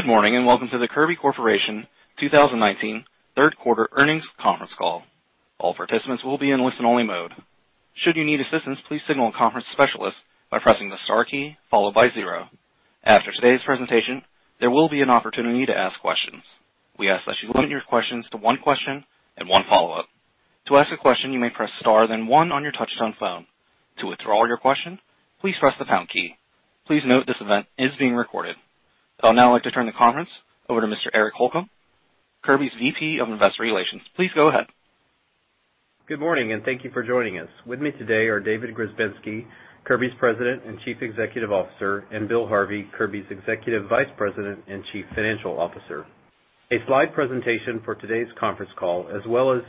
Good morning, and welcome to the Kirby Corporation 2019 Third Quarter Earnings Conference Call. All participants will be in listen-only mode. Should you need assistance, please signal a conference specialist by pressing the star key followed by zero. After today's presentation, there will be an opportunity to ask questions. We ask that you limit your questions to one question and one follow-up. To ask a question, you may press star, then one on your touchtone phone. To withdraw your question, please press the pound key. Please note this event is being recorded. I'll now like to turn the conference over to Mr. Eric Holcomb, Kirby's VP of Investor Relations. Please go ahead. Good morning, and thank you for joining us. With me today are David Grzebinski, Kirby's President and Chief Executive Officer, and Bill Harvey, Kirby's Executive Vice President and Chief Financial Officer. A slide presentation for today's conference call, as well as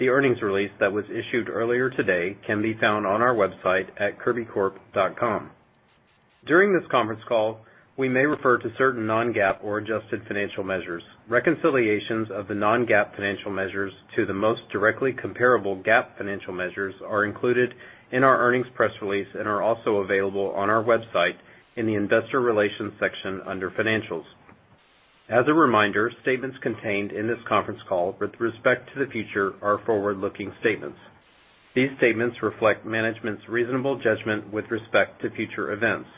the earnings release that was issued earlier today, can be found on our website at kirbycorp.com. During this conference call, we may refer to certain non-GAAP or adjusted financial measures. Reconciliations of the non-GAAP financial measures to the most directly comparable GAAP financial measures are included in our earnings press release and are also available on our website in the Investor Relations section under Financials. As a reminder, statements contained in this conference call with respect to the future are forward-looking statements. These statements reflect management's reasonable judgment with respect to future events.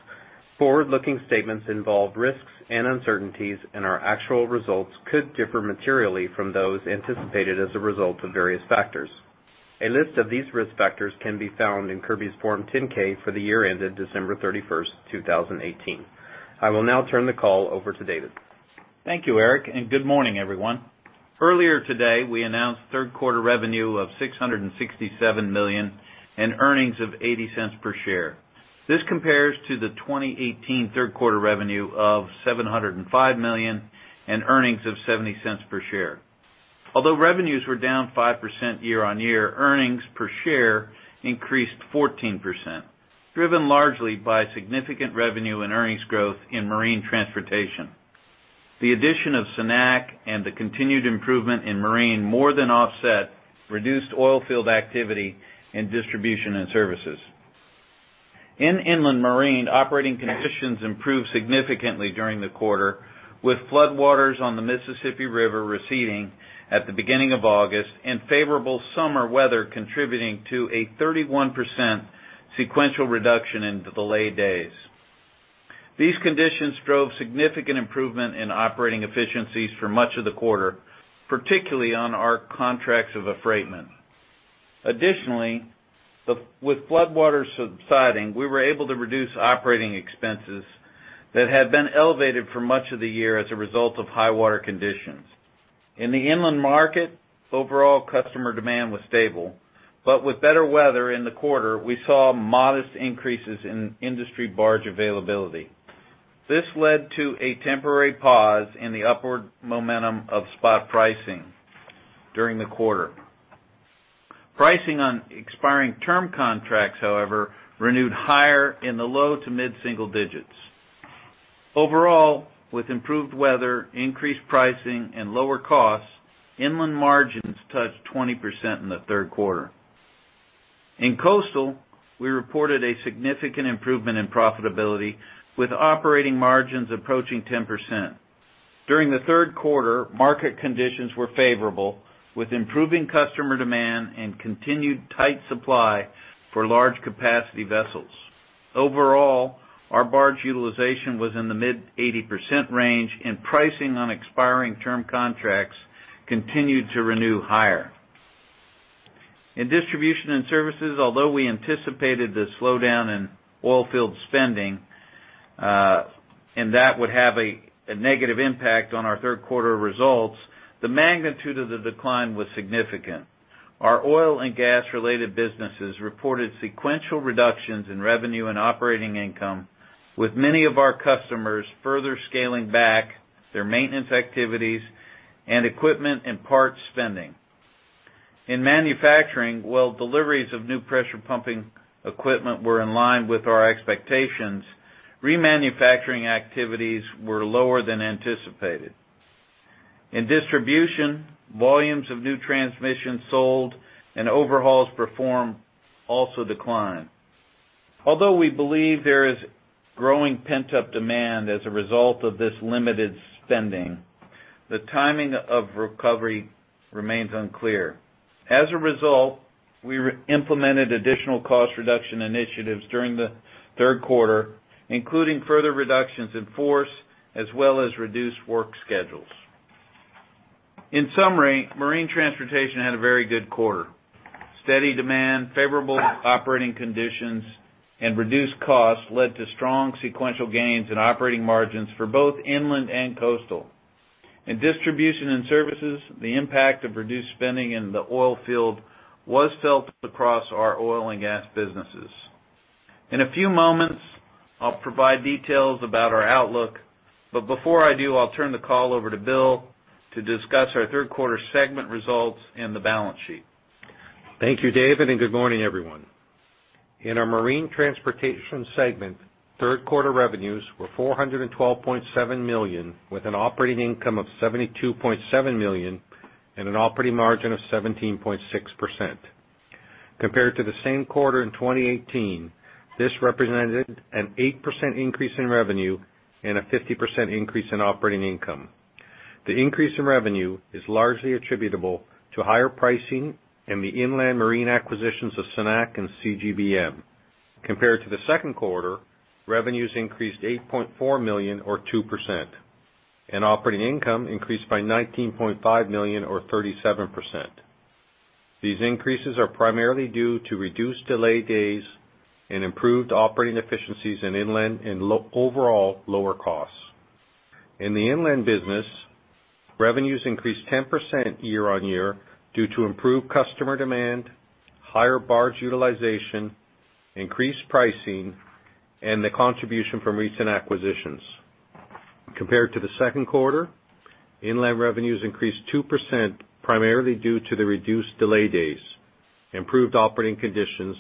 Forward-looking statements involve risks and uncertainties, and our actual results could differ materially from those anticipated as a result of various factors. A list of these risk factors can be found in Kirby's Form 10-K for the year ended December 31, 2018. I will now turn the call over to David. Thank you, Eric, and good morning, everyone. Earlier today, we announced third quarter revenue of $667 million and earnings of $0.80 per share. This compares to the 2018 third quarter revenue of $705 million and earnings of $0.70 per share. Although revenues were down 5% year-on-year, earnings per share increased 14%, driven largely by significant revenue and earnings growth in marine transportation. The addition of Cenac and the continued improvement in marine more than offset reduced oil field activity in distribution and services. In inland marine, operating conditions improved significantly during the quarter, with floodwaters on the Mississippi River receding at the beginning of August and favorable summer weather contributing to a 31% sequential reduction in delayed days. These conditions drove significant improvement in operating efficiencies for much of the quarter, particularly on our contracts of affreightment. Additionally, with floodwaters subsiding, we were able to reduce operating expenses that had been elevated for much of the year as a result of high water conditions. In the inland market, overall customer demand was stable, but with better weather in the quarter, we saw modest increases in industry barge availability. This led to a temporary pause in the upward momentum of spot pricing during the quarter. Pricing on expiring term contracts, however, renewed higher in the low to mid-single digits. Overall, with improved weather, increased pricing, and lower costs, inland margins touched 20% in the third quarter. In coastal, we reported a significant improvement in profitability, with operating margins approaching 10%. During the third quarter, market conditions were favorable, with improving customer demand and continued tight supply for large capacity vessels. Overall, our barge utilization was in the mid-80% range, and pricing on expiring term contracts continued to renew higher. In distribution and services, although we anticipated the slowdown in oil field spending, and that would have a negative impact on our third quarter results, the magnitude of the decline was significant. Our oil and gas-related businesses reported sequential reductions in revenue and operating income, with many of our customers further scaling back their maintenance activities and equipment and parts spending. In manufacturing, while deliveries of new pressure pumping equipment were in line with our expectations, remanufacturing activities were lower than anticipated. In distribution, volumes of new transmissions sold and overhauls performed also declined. Although we believe there is growing pent-up demand as a result of this limited spending, the timing of recovery remains unclear. As a result, we implemented additional cost reduction initiatives during the third quarter, including further reductions in force, as well as reduced work schedules. In summary, marine transportation had a very good quarter. Steady demand, favorable operating conditions, and reduced costs led to strong sequential gains in operating margins for both inland and coastal. In distribution and services, the impact of reduced spending in the oil field was felt across our oil and gas businesses. In a few moments, I'll provide details about our outlook, but before I do, I'll turn the call over to Bill to discuss our third quarter segment results and the balance sheet. Thank you, David, and good morning, everyone. In our marine transportation segment, third quarter revenues were $412.7 million, with an operating income of $72.7 million and an operating margin of 17.6% compared to the same quarter in 2018, this represented an 8% increase in revenue and a 50% increase in operating income. The increase in revenue is largely attributable to higher pricing and the inland marine acquisitions of Cenac and CGBM. Compared to the second quarter, revenues increased $8.4 million, or 2%, and operating income increased by $19.5 million, or 37%. These increases are primarily due to reduced delay days and improved operating efficiencies in inland and overall lower costs. In the inland business, revenues increased 10% year-on-year due to improved customer demand, higher barge utilization, increased pricing, and the contribution from recent acquisitions. Compared to the second quarter, inland revenues increased 2%, primarily due to the reduced delay days, improved operating conditions,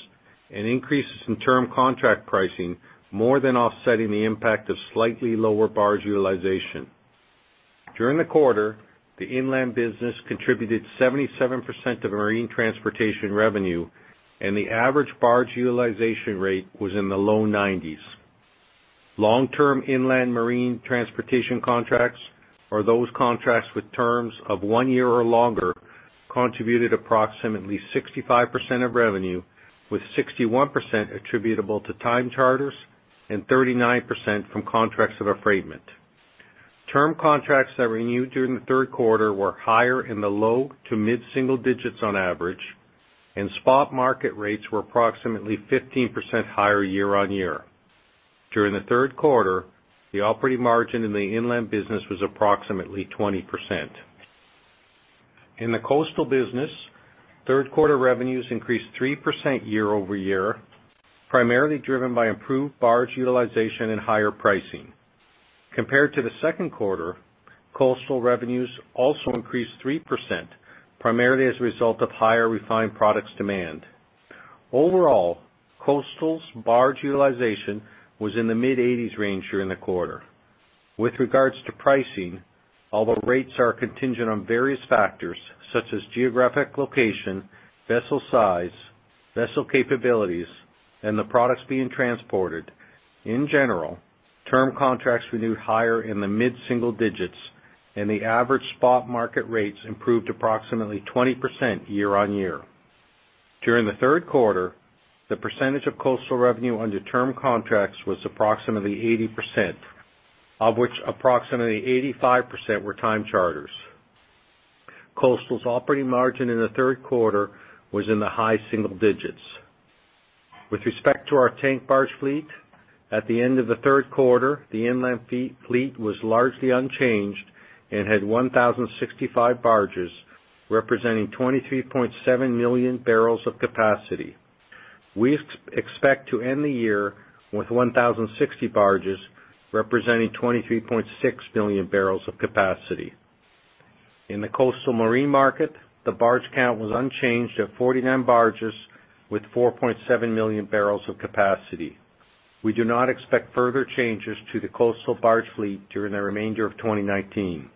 and increases in term contract pricing, more than offsetting the impact of slightly lower barge utilization. During the quarter, the inland business contributed 77% of marine transportation revenue, and the average barge utilization rate was in the low 90s. Long-term inland marine transportation contracts, or those contracts with terms of one year or longer, contributed approximately 65% of revenue, with 61% attributable to time charters and 39% from contracts of affreightment. Term contracts that renewed during the third quarter were higher in the low- to mid-single digits on average, and spot market rates were approximately 15% higher year-on-year. During the third quarter, the operating margin in the inland business was approximately 20%. In the coastal business, third quarter revenues increased 3% year-over-year, primarily driven by improved barge utilization and higher pricing. Compared to the second quarter, coastal revenues also increased 3%, primarily as a result of higher refined products demand. Overall, coastal's barge utilization was in the mid-80s range during the quarter. With regards to pricing, although rates are contingent on various factors such as geographic location, vessel size, vessel capabilities, and the products being transported, in general, term contracts renewed higher in the mid-single digits, and the average spot market rates improved approximately 20% year-on-year. During the third quarter, the percentage of coastal revenue under term contracts was approximately 80%, of which approximately 85% were time charters. Coastal's operating margin in the third quarter was in the high single digits. With respect to our tank barge fleet, at the end of the third quarter, the inland fleet was largely unchanged and had 1,065 barges, representing 23.7 million barrels of capacity. We expect to end the year with 1,060 barges, representing 23.6 million barrels of capacity. In the coastal marine market, the barge count was unchanged at 49 barges, with 4.7 million barrels of capacity. We do not expect further changes to the coastal barge fleet during the remainder of 2019.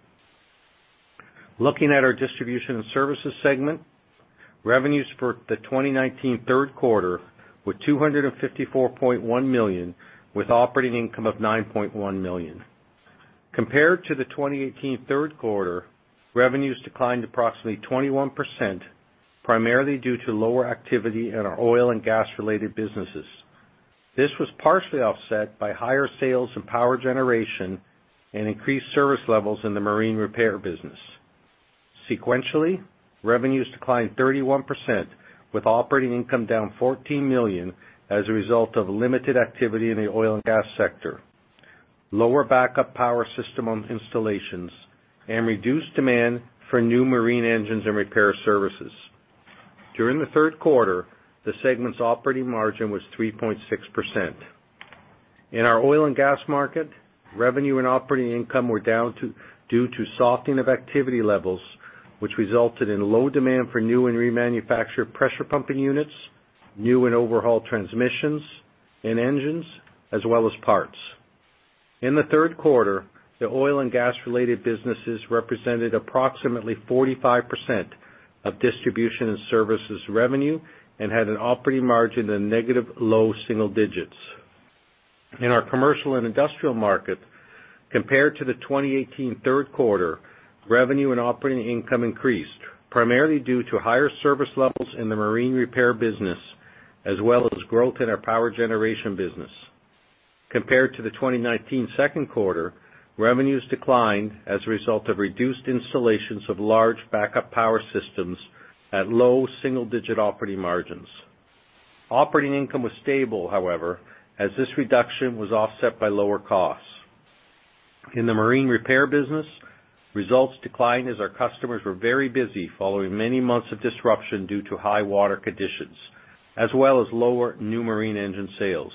Looking at our distribution and services segment, revenues for the 2019 third quarter were $254.1 million, with operating income of $9.1 million. Compared to the 2018 third quarter, revenues declined approximately 21%, primarily due to lower activity in our oil and gas-related businesses. This was partially offset by higher sales and power generation and increased service levels in the marine repair business. Sequentially, revenues declined 31%, with operating income down $14 million as a result of limited activity in the oil and gas sector, lower backup power system on installations, and reduced demand for new marine engines and repair services. During the third quarter, the segment's operating margin was 3.6%. In our oil and gas market, revenue and operating income were down due to softening of activity levels, which resulted in low demand for new and remanufactured pressure pumping units, new and overhauled transmissions and engines, as well as parts. In the third quarter, the oil and gas-related businesses represented approximately 45% of distribution and services revenue and had an operating margin in negative low single digits. In our commercial and industrial market, compared to the 2018 third quarter, revenue and operating income increased, primarily due to higher service levels in the marine repair business, as well as growth in our power generation business. Compared to the 2019 second quarter, revenues declined as a result of reduced installations of large backup power systems at low single-digit operating margins. Operating income was stable, however, as this reduction was offset by lower costs. In the marine repair business, results declined as our customers were very busy following many months of disruption due to high water conditions, as well as lower new marine engine sales.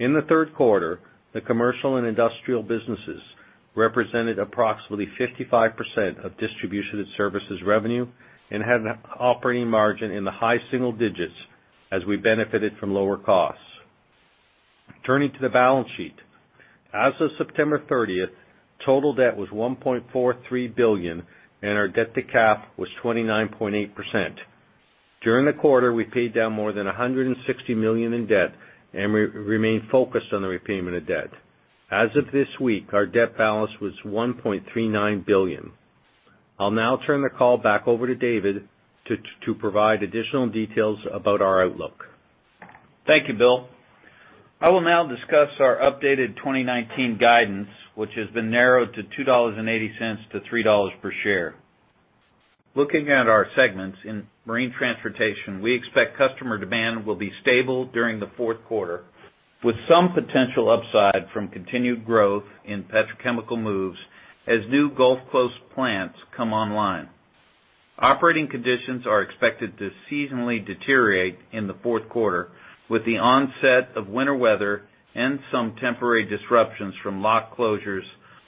In the third quarter, the commercial and industrial businesses represented approximately 55% of distribution and services revenue and had an operating margin in the high single digits as we benefited from lower costs.... Turning to the balance sheet. As of September 30th, total debt was $1.43 billion, and our debt-to-cap was 29.8%. During the quarter, we paid down more than $160 million in debt, and we remain focused on the repayment of debt. As of this week, our debt balance was $1.39 billion. I'll now turn the call back over to David to provide additional details about our outlook. Thank you, Bill. I will now discuss our updated 2019 guidance, which has been narrowed to $2.80-$3 per share. Looking at our segments in marine transportation, we expect customer demand will be stable during the fourth quarter, with some potential upside from continued growth in petrochemical moves as new Gulf Coast plants come online. Operating conditions are expected to seasonally deteriorate in the fourth quarter, with the onset of winter weather and some temporary disruptions from lock closures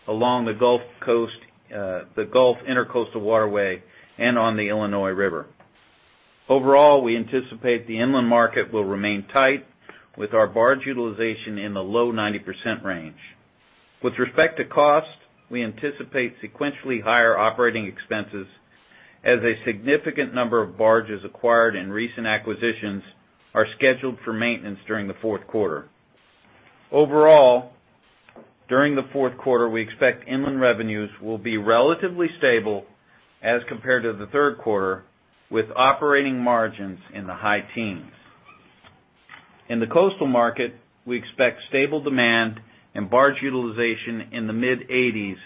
along the Gulf Coast, the Gulf Intracoastal Waterway and on the Illinois River. Overall, we anticipate the inland market will remain tight, with our barge utilization in the low 90% range. With respect to cost, we anticipate sequentially higher operating expenses as a significant number of barges acquired in recent acquisitions are scheduled for maintenance during the fourth quarter. Overall, during the fourth quarter, we expect inland revenues will be relatively stable as compared to the third quarter, with operating margins in the high teens. In the coastal market, we expect stable demand and barge utilization in the mid-eighties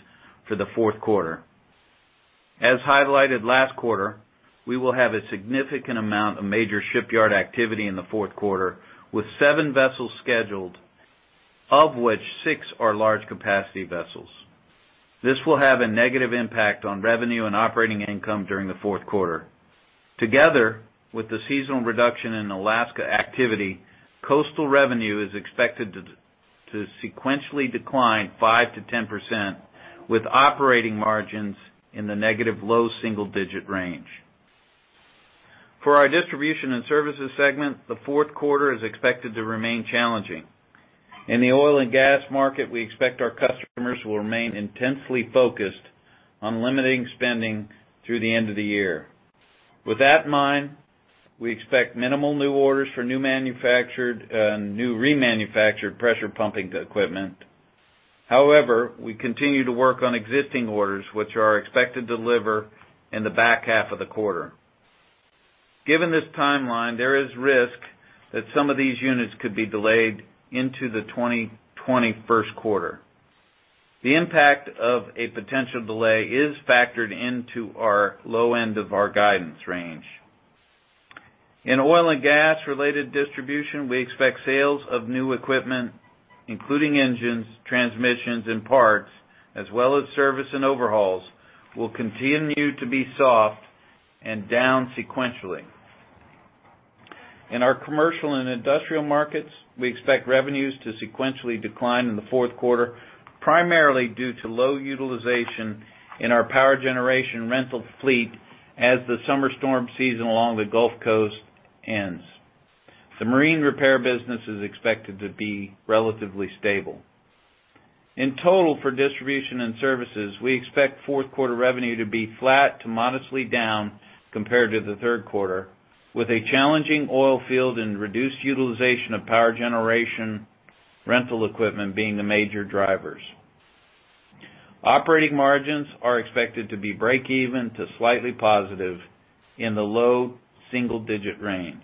for the fourth quarter. As highlighted last quarter, we will have a significant amount of major shipyard activity in the fourth quarter, with 7 vessels scheduled, of which 6 are large capacity vessels. This will have a negative impact on revenue and operating income during the fourth quarter. Together, with the seasonal reduction in Alaska activity, coastal revenue is expected to sequentially decline 5%-10%, with operating margins in the negative low single-digit range. For our distribution and services segment, the fourth quarter is expected to remain challenging. In the oil and gas market, we expect our customers will remain intensely focused on limiting spending through the end of the year. With that in mind, we expect minimal new orders for new manufactured, new remanufactured pressure pumping equipment. However, we continue to work on existing orders, which are expected to deliver in the back half of the quarter. Given this timeline, there is risk that some of these units could be delayed into the 2021 first quarter. The impact of a potential delay is factored into our low end of our guidance range. In oil and gas-related distribution, we expect sales of new equipment, including engines, transmissions, and parts, as well as service and overhauls, will continue to be soft and down sequentially. In our commercial and industrial markets, we expect revenues to sequentially decline in the fourth quarter, primarily due to low utilization in our power generation rental fleet as the summer storm season along the Gulf Coast ends. The marine repair business is expected to be relatively stable. In total, for distribution and services, we expect fourth quarter revenue to be flat to modestly down compared to the third quarter, with a challenging oil field and reduced utilization of power generation, rental equipment being the major drivers. Operating margins are expected to be breakeven to slightly positive in the low single-digit range.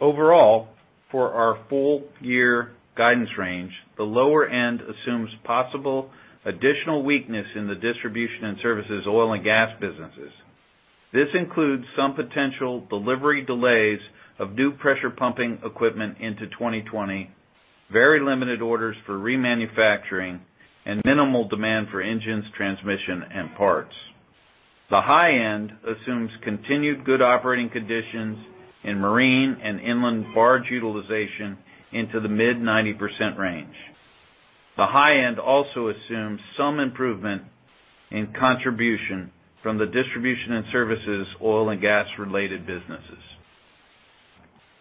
Overall, for our full year guidance range, the lower end assumes possible additional weakness in the distribution and services, oil and gas businesses. This includes some potential delivery delays of new pressure pumping equipment into 2020, very limited orders for remanufacturing, and minimal demand for engines, transmission, and parts. The high end assumes continued good operating conditions in marine and inland barge utilization into the mid-90% range. The high end also assumes some improvement in contribution from the distribution and services, oil and gas-related businesses.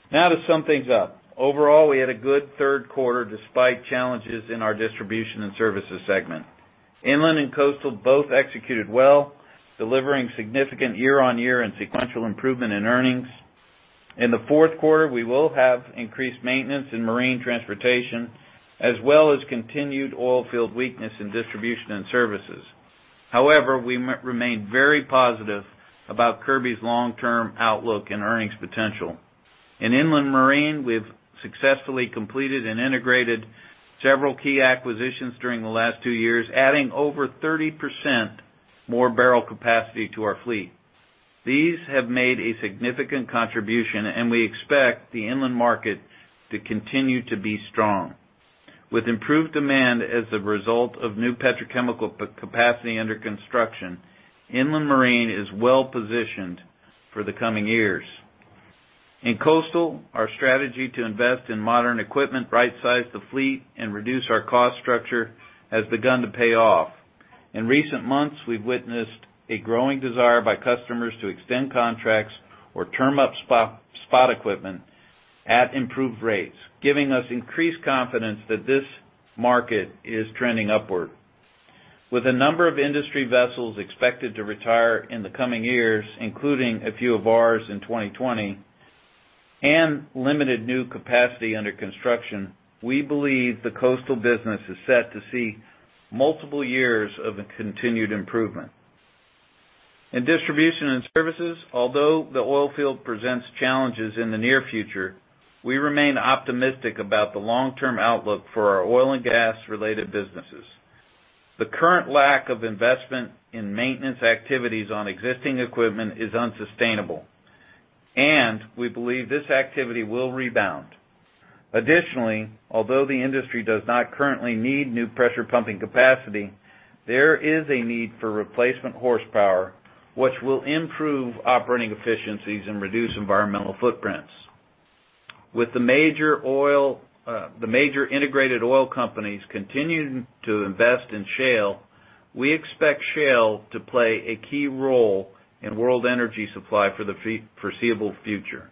Now to sum things up. Overall, we had a good third quarter, despite challenges in our distribution and services segment. Inland and coastal both executed well, delivering significant year-on-year and sequential improvement in earnings. In the fourth quarter, we will have increased maintenance in marine transportation, as well as continued oil field weakness in distribution and services. However, we remain very positive about Kirby's long-term outlook and earnings potential. In inland marine, we've successfully completed and integrated several key acquisitions during the last two years, adding over 30% more barrel capacity to our fleet. These have made a significant contribution, and we expect the inland market to continue to be strong. With improved demand as a result of new petrochemical capacity under construction, inland marine is well positioned for the coming years. In coastal, our strategy to invest in modern equipment, right-size the fleet, and reduce our cost structure has begun to pay off. In recent months, we've witnessed a growing desire by customers to extend contracts or term up spot, spot equipment at improved rates, giving us increased confidence that this market is trending upward. With a number of industry vessels expected to retire in the coming years, including a few of ours in 2020, and limited new capacity under construction, we believe the coastal business is set to see multiple years of a continued improvement. In Distribution and Services, although the oil field presents challenges in the near future, we remain optimistic about the long-term outlook for our oil and gas-related businesses. The current lack of investment in maintenance activities on existing equipment is unsustainable, and we believe this activity will rebound. Additionally, although the industry does not currently need new pressure pumping capacity, there is a need for replacement horsepower, which will improve operating efficiencies and reduce environmental footprints. With the major integrated oil companies continuing to invest in shale, we expect shale to play a key role in world energy supply for the foreseeable future.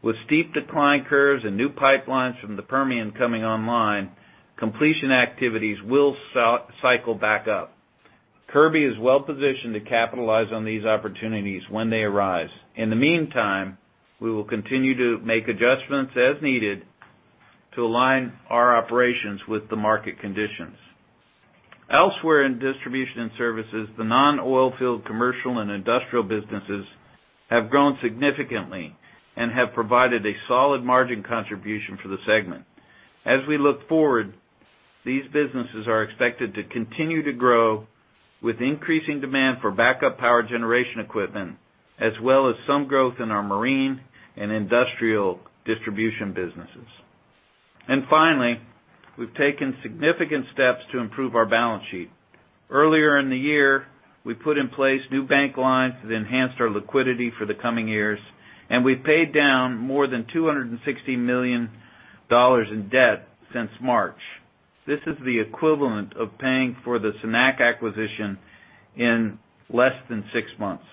With steep decline curves and new pipelines from the Permian coming online, completion activities will cycle back up. Kirby is well positioned to capitalize on these opportunities when they arise. In the meantime, we will continue to make adjustments as needed to align our operations with the market conditions. Elsewhere in Distribution and Services, the non-oil field, commercial and industrial businesses have grown significantly and have provided a solid margin contribution for the segment. As we look forward, these businesses are expected to continue to grow with increasing demand for backup power generation equipment, as well as some growth in our marine and industrial distribution businesses. And finally, we've taken significant steps to improve our balance sheet. Earlier in the year, we put in place new bank lines that enhanced our liquidity for the coming years, and we've paid down more than $260 million in debt since March. This is the equivalent of paying for the Cenac acquisition in less than 6 months.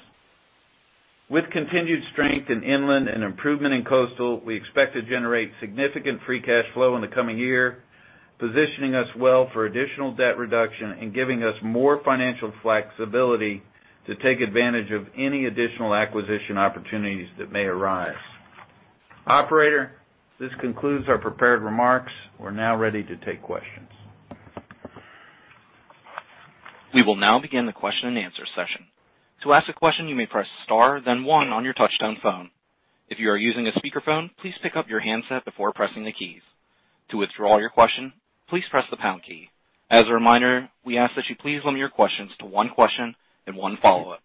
With continued strength in inland and improvement in coastal, we expect to generate significant free cash flow in the coming year, positioning us well for additional debt reduction and giving us more financial flexibility to take advantage of any additional acquisition opportunities that may arise. Operator, this concludes our prepared remarks. We're now ready to take questions. We will now begin the question-and-answer session. To ask a question, you may press star, then one on your touchtone phone. If you are using a speakerphone, please pick up your handset before pressing the keys. To withdraw your question, please press the pound key. As a reminder, we ask that you please limit your questions to one question and one follow-up.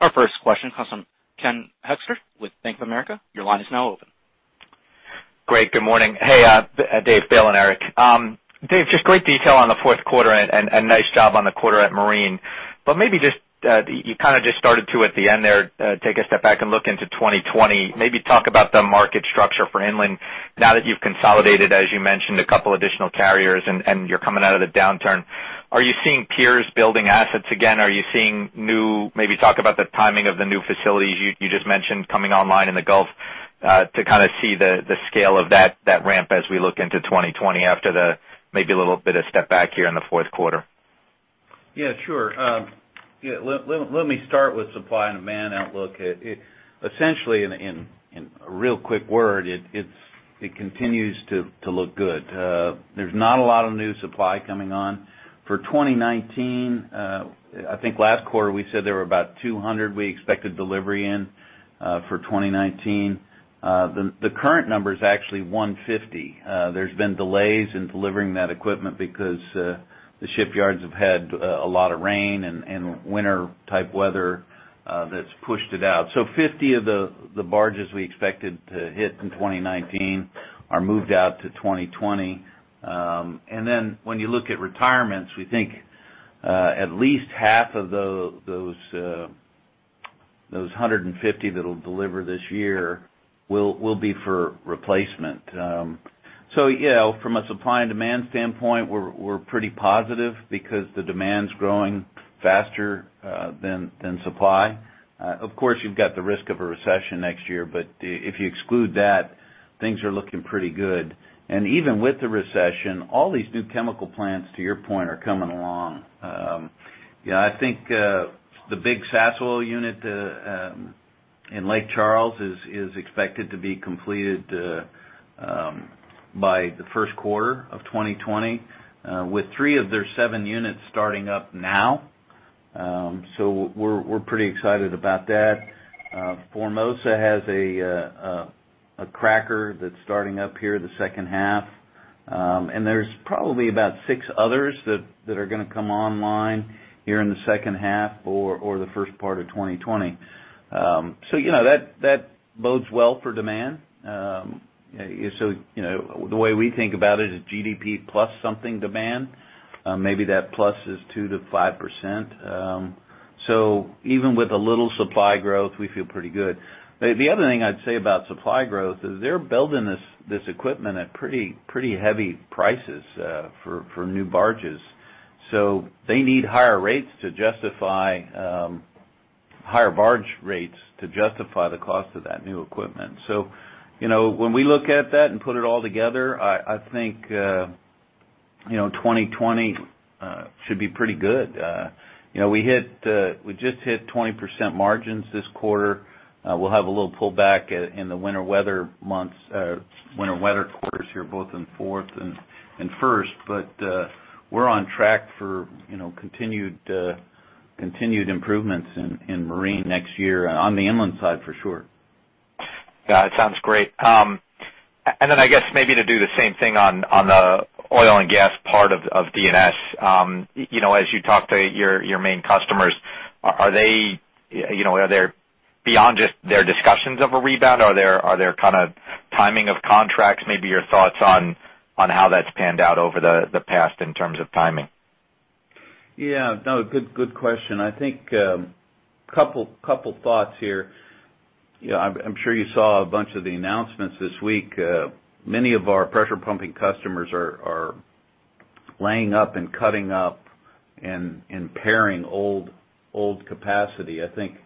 Our first question comes from Ken Hoexter with Bank of America. Your line is now open. Great, good morning. Hey, Dave, Bill, and Eric. Dave, just great detail on the fourth quarter and nice job on the quarter at Marine. But maybe just you kind of just started to, at the end there, take a step back and look into 2020. Maybe talk about the market structure for inland now that you've consolidated, as you mentioned, a couple additional carriers and you're coming out of the downturn. Are you seeing peers building assets again? Are you seeing new—maybe talk about the timing of the new facilities you just mentioned coming online in the Gulf, to kind of see the scale of that ramp as we look into 2020, after maybe a little bit of step back here in the fourth quarter. Yeah, sure. Yeah, let me start with supply and demand outlook. It essentially, in a real quick word, it continues to look good. There's not a lot of new supply coming on. For 2019, I think last quarter, we said there were about 200 we expected delivery in for 2019. The current number is actually 150. There's been delays in delivering that equipment because the shipyards have had a lot of rain and winter-type weather that's pushed it out. So 50 of the barges we expected to hit in 2019 are moved out to 2020. And then when you look at retirements, we think at least half of those 150 that'll deliver this year will be for replacement. So yeah, from a supply and demand standpoint, we're pretty positive because the demand's growing faster than supply. Of course, you've got the risk of a recession next year, but if you exclude that, things are looking pretty good. And even with the recession, all these new chemical plants, to your point, are coming along. Yeah, I think the big Sasol unit in Lake Charles is expected to be completed by the first quarter of 2020 with 3 of their 7 units starting up now. So we're pretty excited about that. Formosa has a cracker that's starting up here in the second half. And there's probably about six others that are gonna come online here in the second half or the first part of 2020. So you know, that bodes well for demand. So you know, the way we think about it is GDP plus something demand. Maybe that plus is 2%-5%. So even with a little supply growth, we feel pretty good. The other thing I'd say about supply growth is they're building this equipment at pretty heavy prices for new barges. So they need higher rates to justify higher barge rates to justify the cost of that new equipment. So, you know, when we look at that and put it all together, I think, you know, 2020 should be pretty good. You know, we hit, we just hit 20% margins this quarter. We'll have a little pullback in the winter weather months, winter weather quarters here, both in fourth and first. But we're on track for, you know, continued continued improvements in marine next year on the inland side, for sure. Yeah, it sounds great. And then I guess maybe to do the same thing on the oil and gas part of D&S. You know, as you talk to your main customers, are they, you know, are there beyond just their discussions of a rebound, are there kind of timing of contracts? Maybe your thoughts on how that's panned out over the past in terms of timing. Yeah. No, good question. I think a couple thoughts here. Yeah, I'm sure you saw a bunch of the announcements this week. Many of our pressure pumping customers are laying up and cutting up and paring old capacity. I think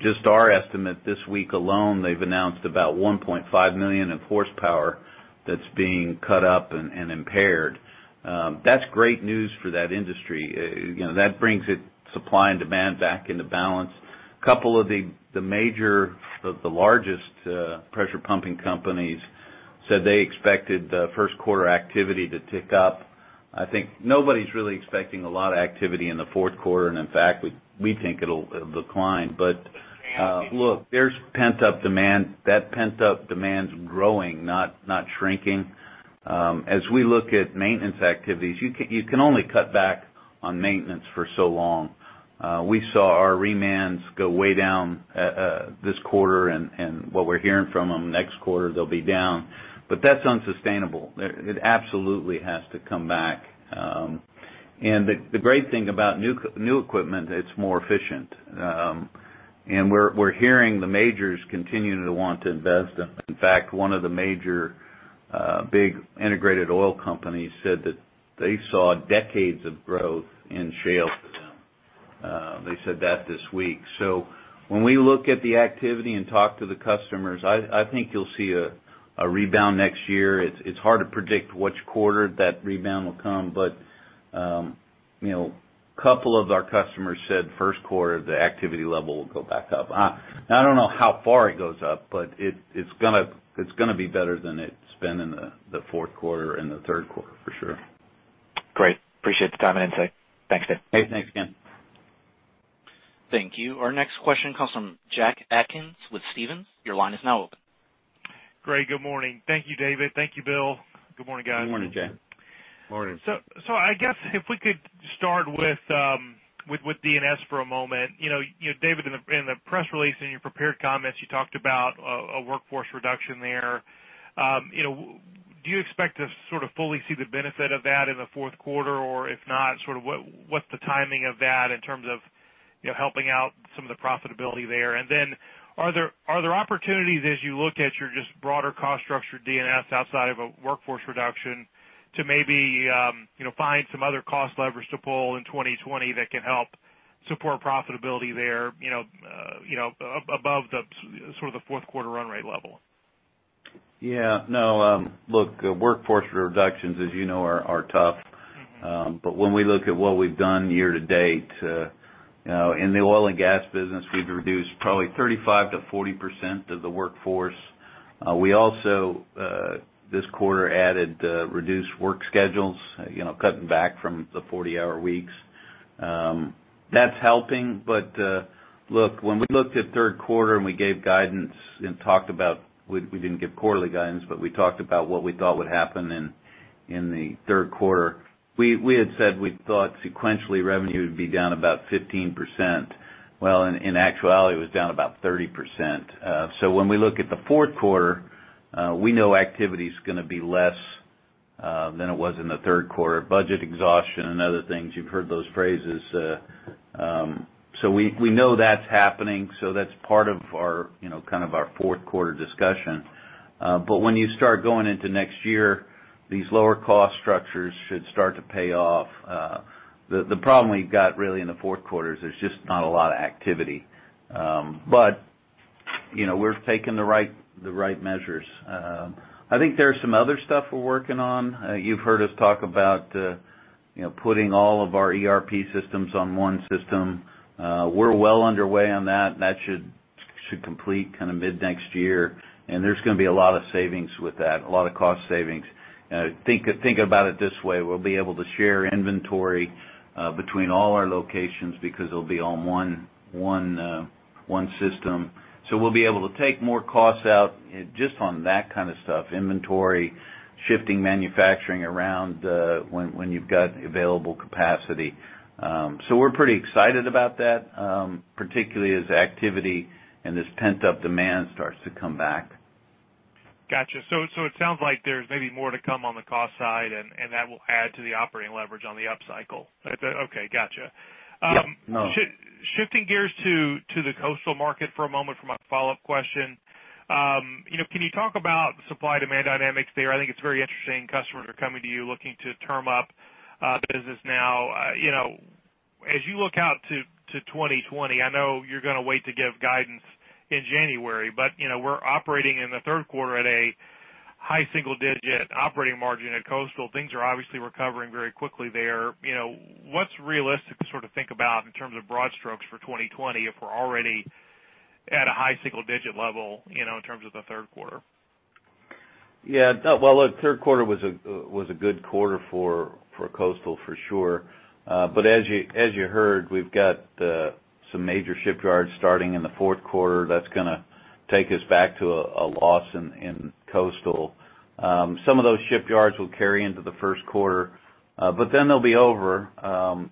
just our estimate this week alone, they've announced about 1.5 million in horsepower that's being cut up and impaired. That's great news for that industry. You know, that brings its supply and demand back into balance. A couple of the major, the largest pressure pumping companies said they expected the first quarter activity to tick up. I think nobody's really expecting a lot of activity in the fourth quarter, and in fact, we think it'll decline. But look, there's pent-up demand. That pent-up demand's growing, not shrinking. As we look at maintenance activities, you can, you can only cut back on maintenance for so long. We saw our remans go way down this quarter, and what we're hearing from them, next quarter, they'll be down. But that's unsustainable. It absolutely has to come back. And the great thing about new equipment, it's more efficient. And we're hearing the majors continuing to want to invest. In fact, one of the major big integrated oil companies said that they saw decades of growth in shale for them. They said that this week. So when we look at the activity and talk to the customers, I think you'll see a rebound next year. It's hard to predict which quarter that rebound will come, but you know, a couple of our customers said first quarter, the activity level will go back up. I don't know how far it goes up, but it's gonna be better than it's been in the fourth quarter and the third quarter, for sure. Great. Appreciate the time and insight. Thanks, Dave. Hey, thanks again. Thank you. Our next question comes from Jack Atkins with Stephens. Your line is now open. Great. Good morning. Thank you, David. Thank you, Bill. Good morning, guys. Good morning, Jack. Morning. So, I guess if we could start with D&S for a moment. You know, you, David, in the press release, in your prepared comments, you talked about a workforce reduction there. You know, do you expect to sort of fully see the benefit of that in the fourth quarter? Or if not, sort of what's the timing of that in terms of, you know, helping out some of the profitability there? And then, are there opportunities as you look at your just broader cost structure, D&S, outside of a workforce reduction, to maybe, you know, find some other cost leverage to pull in 2020 that can help support profitability there, you know, you know, above the sort of the fourth quarter run rate level? Yeah. No, look, workforce reductions, as you know, are tough. Mm-hmm. But when we look at what we've done year to date, you know, in the oil and gas business, we've reduced probably 35%-40% of the workforce. We also this quarter reduced work schedules, you know, cutting back from the 40-hour weeks. That's helping, but look, when we looked at third quarter, and we gave guidance and talked about. We didn't give quarterly guidance, but we talked about what we thought would happen in the third quarter. We had said we thought sequentially, revenue would be down about 15%. Well, in actuality, it was down about 30%. So when we look at the fourth quarter, we know activity is gonna be less than it was in the third quarter. Budget exhaustion and other things, you've heard those phrases. So we know that's happening, so that's part of our, you know, kind of our fourth quarter discussion. But when you start going into next year, these lower cost structures should start to pay off. The problem we've got really in the fourth quarter is there's just not a lot of activity. But, you know, we're taking the right measures. I think there are some other stuff we're working on. You've heard us talk about, you know, putting all of our ERP systems on one system. We're well underway on that. That should complete kind of mid-next year, and there's gonna be a lot of savings with that, a lot of cost savings. Think about it this way: we'll be able to share inventory between all our locations because it'll be all in one system. So we'll be able to take more costs out just on that kind of stuff, inventory, shifting, manufacturing around when you've got available capacity. So we're pretty excited about that, particularly as activity and this pent-up demand starts to come back. ... Gotcha. So, so it sounds like there's maybe more to come on the cost side, and, and that will add to the operating leverage on the upcycle. Is that okay, gotcha. Yep. No. Shifting gears to the coastal market for a moment for my follow-up question. You know, can you talk about supply-demand dynamics there? I think it's very interesting. Customers are coming to you looking to term up business now. You know, as you look out to 2020, I know you're going to wait to give guidance in January, but you know, we're operating in the third quarter at a high single digit operating margin at coastal. Things are obviously recovering very quickly there. You know, what's realistic to sort of think about in terms of broad strokes for 2020, if we're already at a high single digit level you know, in terms of the third quarter? Yeah. Well, look, third quarter was a good quarter for coastal, for sure. But as you heard, we've got some major shipyards starting in the fourth quarter. That's going to take us back to a loss in coastal. Some of those shipyards will carry into the first quarter, but then they'll be over.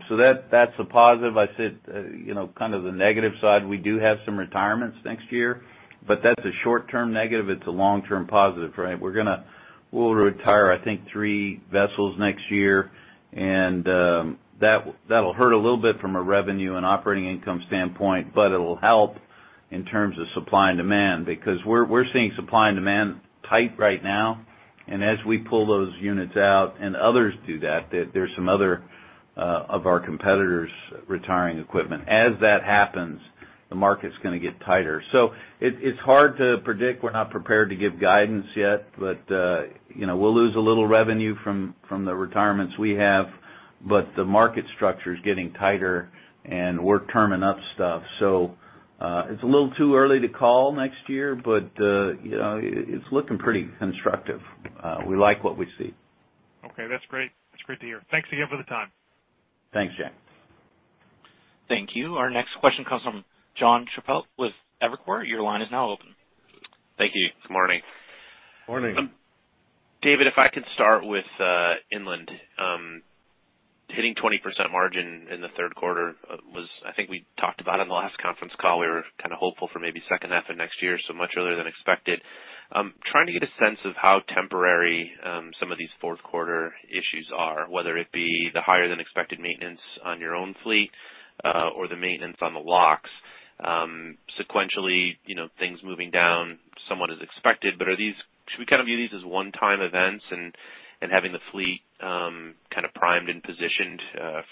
So that's a positive. I said, you know, kind of the negative side, we do have some retirements next year, but that's a short-term negative. It's a long-term positive, right? We'll retire, I think, three vessels next year, and that'll hurt a little bit from a revenue and operating income standpoint, but it'll help in terms of supply and demand because we're seeing supply and demand tight right now. And as we pull those units out and others do that, there's some other of our competitors retiring equipment. As that happens, the market's going to get tighter. So it's hard to predict. We're not prepared to give guidance yet, but you know, we'll lose a little revenue from the retirements we have, but the market structure is getting tighter, and we're terming up stuff. So it's a little too early to call next year, but you know, it's looking pretty constructive. We like what we see. Okay, that's great. That's great to hear. Thanks again for the time. Thanks, Jack. Thank you. Our next question comes from Jon Chappell with Evercore. Your line is now open. Thank you. Good morning. Morning. David, if I could start with inland. Hitting 20% margin in the third quarter was, I think we talked about in the last conference call, we were kind of hopeful for maybe second half of next year, so much earlier than expected. Trying to get a sense of how temporary some of these fourth quarter issues are, whether it be the higher than expected maintenance on your own fleet or the maintenance on the locks. Sequentially, you know, things moving down somewhat as expected, but are these - should we kind of view these as one-time events and having the fleet kind of primed and positioned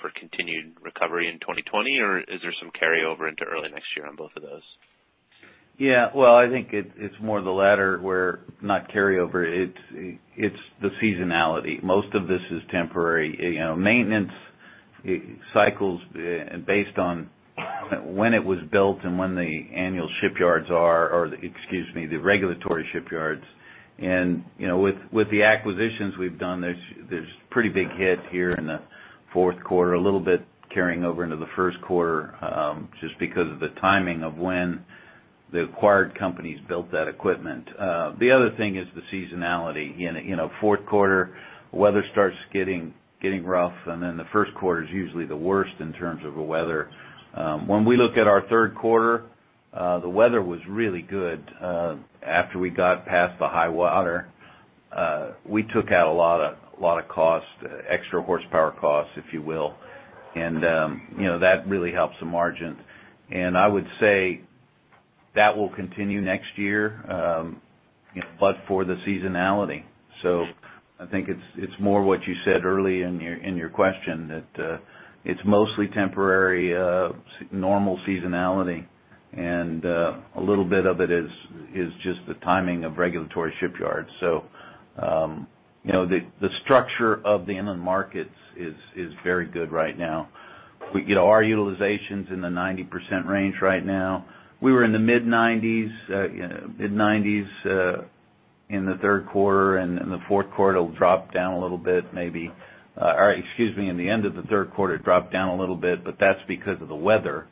for continued recovery in 2020? Or is there some carryover into early next year on both of those? Yeah, well, I think it's more the latter, where not carryover, it's the seasonality. Most of this is temporary. You know, maintenance cycles based on when it was built and when the annual shipyards are, or excuse me, the regulatory shipyards. And, you know, with the acquisitions we've done, there's pretty big hit here in the fourth quarter, a little bit carrying over into the first quarter, just because of the timing of when the acquired companies built that equipment. The other thing is the seasonality. In, you know, fourth quarter, weather starts getting rough, and then the first quarter is usually the worst in terms of the weather. When we look at our third quarter, the weather was really good after we got past the high water. We took out a lot of, lot of cost, extra horsepower costs, if you will, and, you know, that really helps the margin. And I would say that will continue next year, but for the seasonality. So I think it's more what you said early in your question, that it's mostly temporary normal seasonality, and a little bit of it is just the timing of regulatory shipyards. So, you know, the structure of the inland markets is very good right now. Our utilization's in the 90% range right now. We were in the mid-90s, you know, mid-90s, in the third quarter, and in the fourth quarter, it'll drop down a little bit, maybe. Or excuse me, in the end of the third quarter, it dropped down a little bit, but that's because of the weather.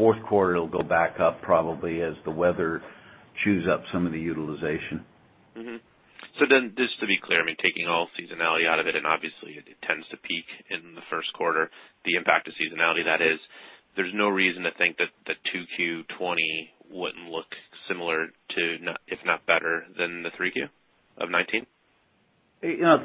Fourth quarter, it'll go back up probably as the weather chews up some of the utilization. Mm-hmm. So then, just to be clear, I mean, taking all seasonality out of it, and obviously, it tends to peak in the first quarter, the impact of seasonality, that is, there's no reason to think that the 2Q 2020 wouldn't look similar to, if not better than, the 3Q 2019? You know,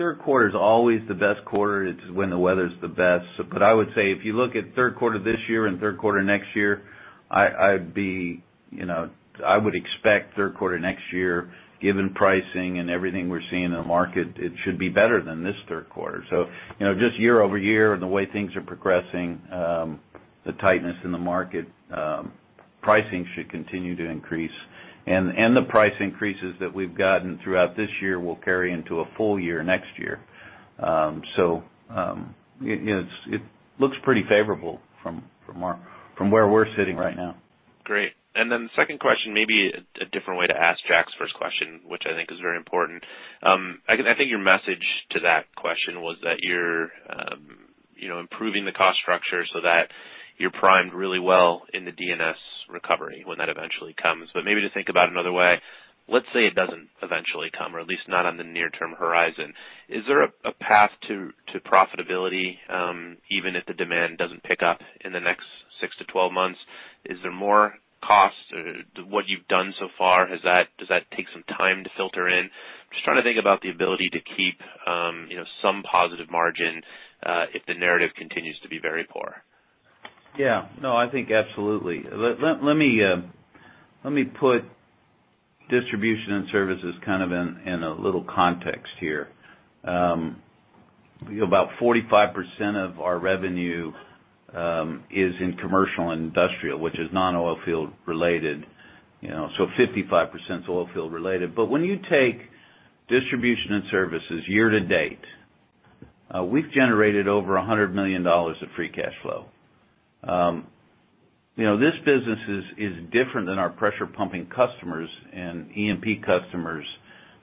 third quarter is always the best quarter. It's when the weather's the best. But I would say, if you look at third quarter this year and third quarter next year, I'd be, you know, I would expect third quarter next year, given pricing and everything we're seeing in the market, it should be better than this third quarter. So, you know, just year over year and the way things are progressing, the tightness in the market, pricing should continue to increase. And the price increases that we've gotten throughout this year will carry into a full year next year. So, it looks pretty favorable from where we're sitting right now. Great. And then the second question, maybe a different way to ask Jack's first question, which I think is very important. I think your message to that question was that you're, you know, improving the cost structure so that you're primed really well in the D&S recovery when that eventually comes. But maybe to think about another way, let's say it doesn't eventually come, or at least not on the near term horizon. Is there a path to profitability, even if the demand doesn't pick up in the next six to 12 months? Is there more costs to what you've done so far? Does that take some time to filter in? Just trying to think about the ability to keep, you know, some positive margin, if the narrative continues to be very poor. Yeah. No, I think absolutely. Let me put distribution and services kind of in a little context here. About 45% of our revenue is in commercial and industrial, which is non-oil field related, you know, so 55% is oil field related. But when you take distribution and services year to date, we've generated over $100 million of free cash flow. You know, this business is different than our pressure pumping customers and E&P customers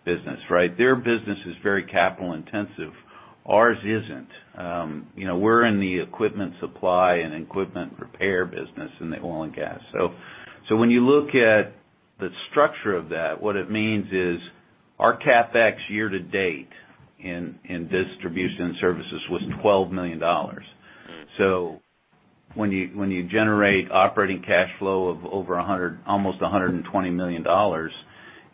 business, right? Their business is very capital intensive. Ours isn't. You know, we're in the equipment supply and equipment repair business in the oil and gas. So when you look at the structure of that, what it means is our CapEx year to date in distribution and services was $12 million. So when you generate operating cash flow of over $100, almost $120 million,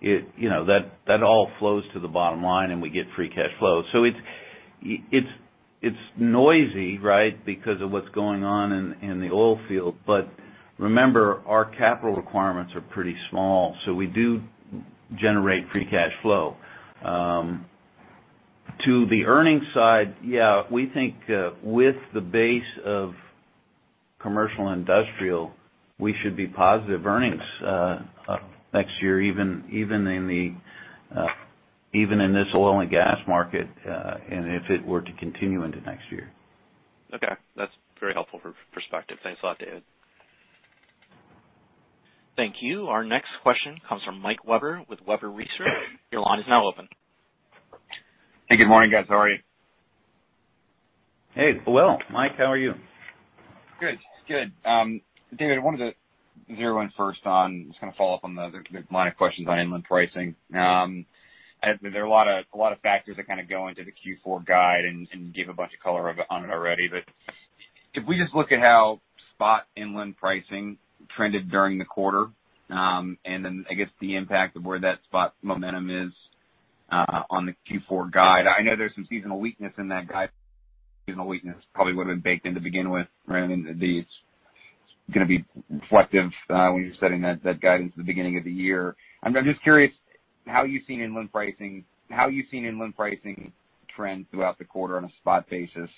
you know, that all flows to the bottom line, and we get free cash flow. So it's noisy, right? Because of what's going on in the oil field. But remember, our capital requirements are pretty small, so we do generate free cash flow. To the earnings side, yeah, we think, with the base of commercial and industrial, we should be positive earnings next year, even in this oil and gas market, and if it were to continue into next year. Okay. That's very helpful for perspective. Thanks a lot, David. Thank you. Our next question comes from Mike Webber with Webber Research. Your line is now open. Hey, good morning, guys. How are you? Hey, well, Mike, how are you? Good. Good. David, I wanted to zero in first on just kind of follow up on the line of questions on inland pricing. There are a lot of factors that kind of go into the Q4 guide and give a bunch of color on it already. But if we just look at how spot inland pricing trended during the quarter, and then I guess the impact of where that spot momentum is on the Q4 guide. I know there's some seasonal weakness in that guide. Seasonal weakness probably would have been baked in to begin with, right? I mean, it's gonna be reflective when you're setting that guidance at the beginning of the year. I'm just curious how you've seen inland pricing trend throughout the quarter on a spot basis,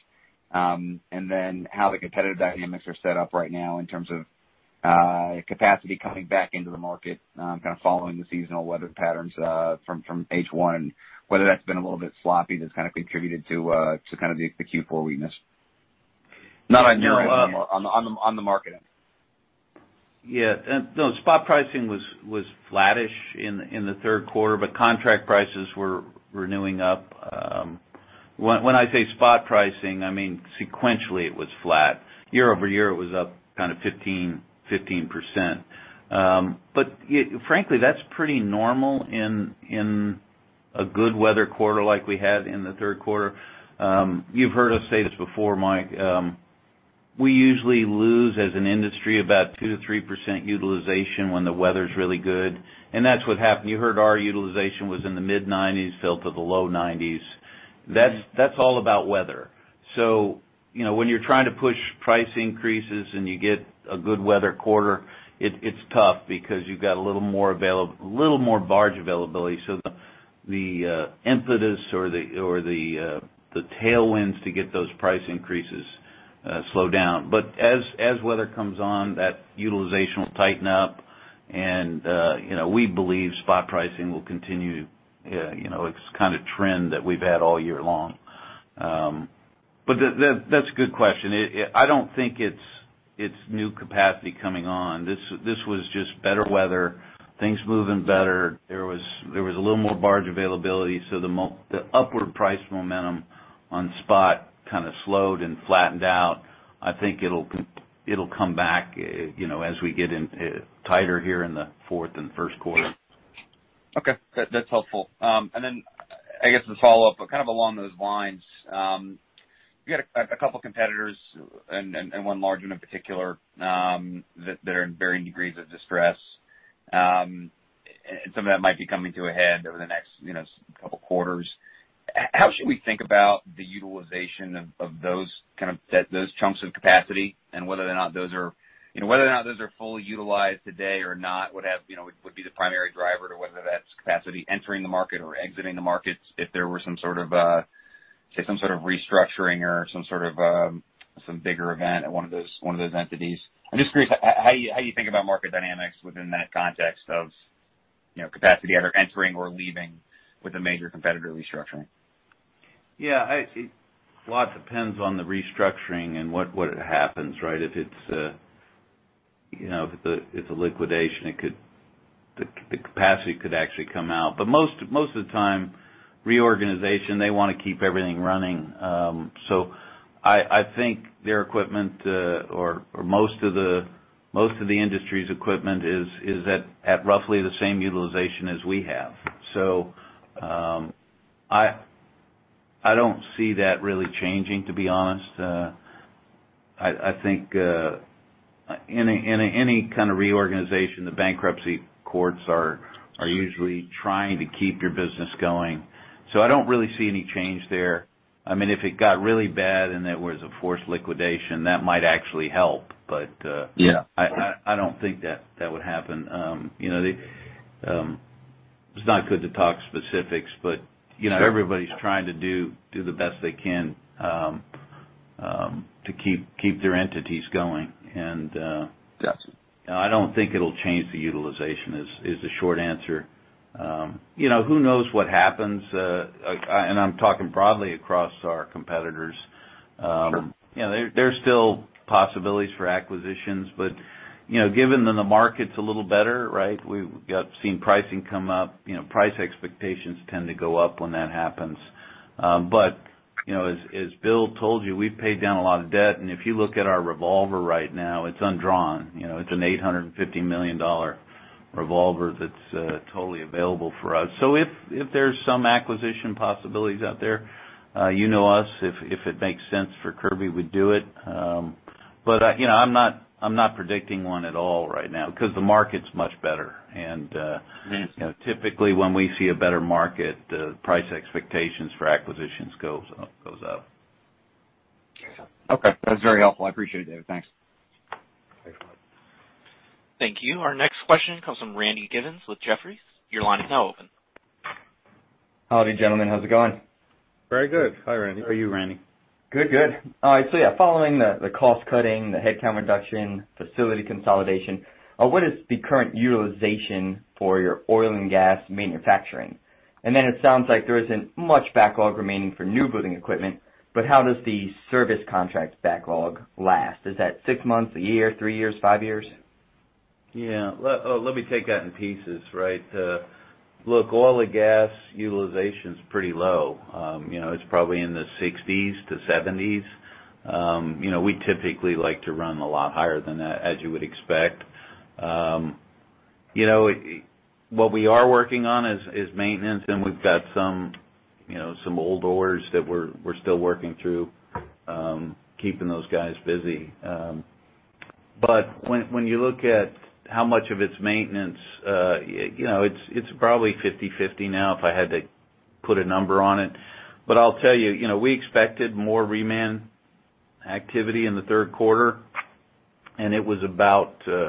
and then how the competitive dynamics are set up right now in terms of capacity coming back into the market, kind of following the seasonal weather patterns from H1, whether that's been a little bit sloppy, that's kind of contributed to kind of the Q4 weakness? Not on your end, on the market end. Yeah. No, spot pricing was flattish in the third quarter, but contract prices were renewing up. When I say spot pricing, I mean, sequentially, it was flat. Year-over-year, it was up kind of 15, 15%. But yeah, frankly, that's pretty normal in a good weather quarter like we had in the third quarter. You've heard us say this before, Mike. We usually lose, as an industry, about 2%-3% utilization when the weather's really good, and that's what happened. You heard our utilization was in the mid-90s, fell to the low 90s. That's all about weather. So, you know, when you're trying to push price increases and you get a good weather quarter, it, it's tough because you've got a little more barge availability, so the impetus or the tailwinds to get those price increases slow down. But as weather comes on, that utilization will tighten up and, you know, we believe spot pricing will continue. You know, it's kind of trend that we've had all year long. But that, that's a good question. I don't think it's new capacity coming on. This was just better weather, things moving better. There was a little more barge availability, so the upward price momentum on spot kind of slowed and flattened out. I think it'll come back, you know, as we get in tighter here in the fourth and first quarter. Okay. That's helpful. And then I guess the follow-up, but kind of along those lines, you got a couple competitors and one large, in particular, that are in varying degrees of distress. And some of that might be coming to a head over the next, you know, couple quarters. How should we think about the utilization of those kind of those chunks of capacity and whether or not those are, you know, whether or not those are fully utilized today or not, would have, you know, would be the primary driver to whether that's capacity entering the market or exiting the markets, if there were some sort of, say, some sort of restructuring or some sort of some bigger event at one of those entities? I'm just curious, how you think about market dynamics within that context of, you know, capacity either entering or leaving with a major competitor restructuring? Yeah, it all depends on the restructuring and what happens, right? If it's you know, if it's a liquidation, it could, the capacity could actually come out. But most of the time, reorganization, they wanna keep everything running. So I think their equipment, or most of the industry's equipment is at roughly the same utilization as we have. So I don't see that really changing, to be honest. I think any kind of reorganization, the bankruptcy courts are usually trying to keep your business going. So I don't really see any change there. I mean, if it got really bad and there was a forced liquidation, that might actually help, but. Yeah. I don't think that that would happen. You know, it's not good to talk specifics, but, you know- Sure. Everybody's trying to do the best they can to keep their entities going. And Yes. I don't think it'll change the utilization, is the short answer. You know, who knows what happens? And I'm talking broadly across our competitors. Sure. You know, there are still possibilities for acquisitions, but, you know, given that the market's a little better, right? We've got seeing pricing come up, you know, price expectations tend to go up when that happens. But, you know, as Bill told you, we've paid down a lot of debt, and if you look at our revolver right now, it's undrawn. You know, it's an $850 million revolver that's totally available for us. So if there's some acquisition possibilities out there, you know us, if it makes sense for Kirby, we'd do it. But I, you know, I'm not, I'm not predicting one at all right now 'cause the market's much better. And Mm-hmm. You know, typically, when we see a better market, price expectations for acquisitions goes up, goes up. Okay. That's very helpful. I appreciate it, David. Thanks. Thanks, Mike. Thank you. Our next question comes from Randy Giveans with Jefferies. Your line is now open. Howdy, gentlemen. How's it going? Very good. Hi, Randy. How are you, Randy? Good, good. All right, so yeah, following the, the cost cutting, the headcount reduction, facility consolidation, what is the current utilization for your oil and gas manufacturing? And then it sounds like there isn't much backlog remaining for new building equipment, but how does the service contract backlog last? Is that six months, a year, three years, five years? Yeah. Let me take that in pieces, right? Look, oil and gas utilization's pretty low. You know, it's probably in the 60s-70s. You know, we typically like to run a lot higher than that, as you would expect. You know, what we are working on is maintenance, and we've got some, you know, some old orders that we're still working through, keeping those guys busy. But when you look at how much of it's maintenance, you know, it's probably 50/50 now, if I had to put a number on it. But I'll tell you, you know, we expected more demand activity in the third quarter, and it was about, you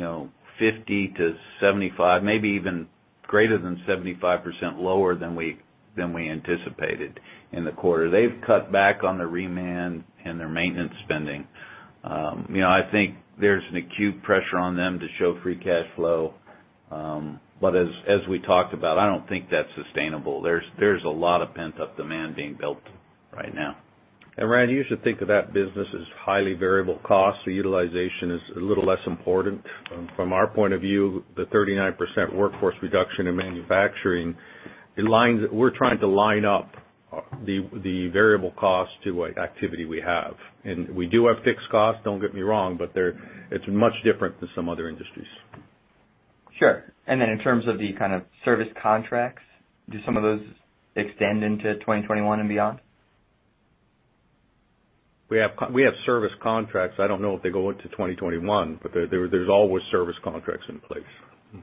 know, 50-75, maybe even greater than 75% lower than we anticipated in the quarter. They've cut back on the demand and their maintenance spending. You know, I think there's an acute pressure on them to show free cash flow. But as we talked about, I don't think that's sustainable. There's a lot of pent-up demand being built right now. Randy, you should think of that business as highly variable costs. The utilization is a little less important. From our point of view, the 39% workforce reduction in manufacturing, we're trying to line up the variable costs to what activity we have. And we do have fixed costs, don't get me wrong, but they're, it's much different than some other industries. Sure. And then in terms of the kind of service contracts, do some of those extend into 2021 and beyond? We have service contracts. I don't know if they go into 2021, but there's always service contracts in place. Mm-hmm.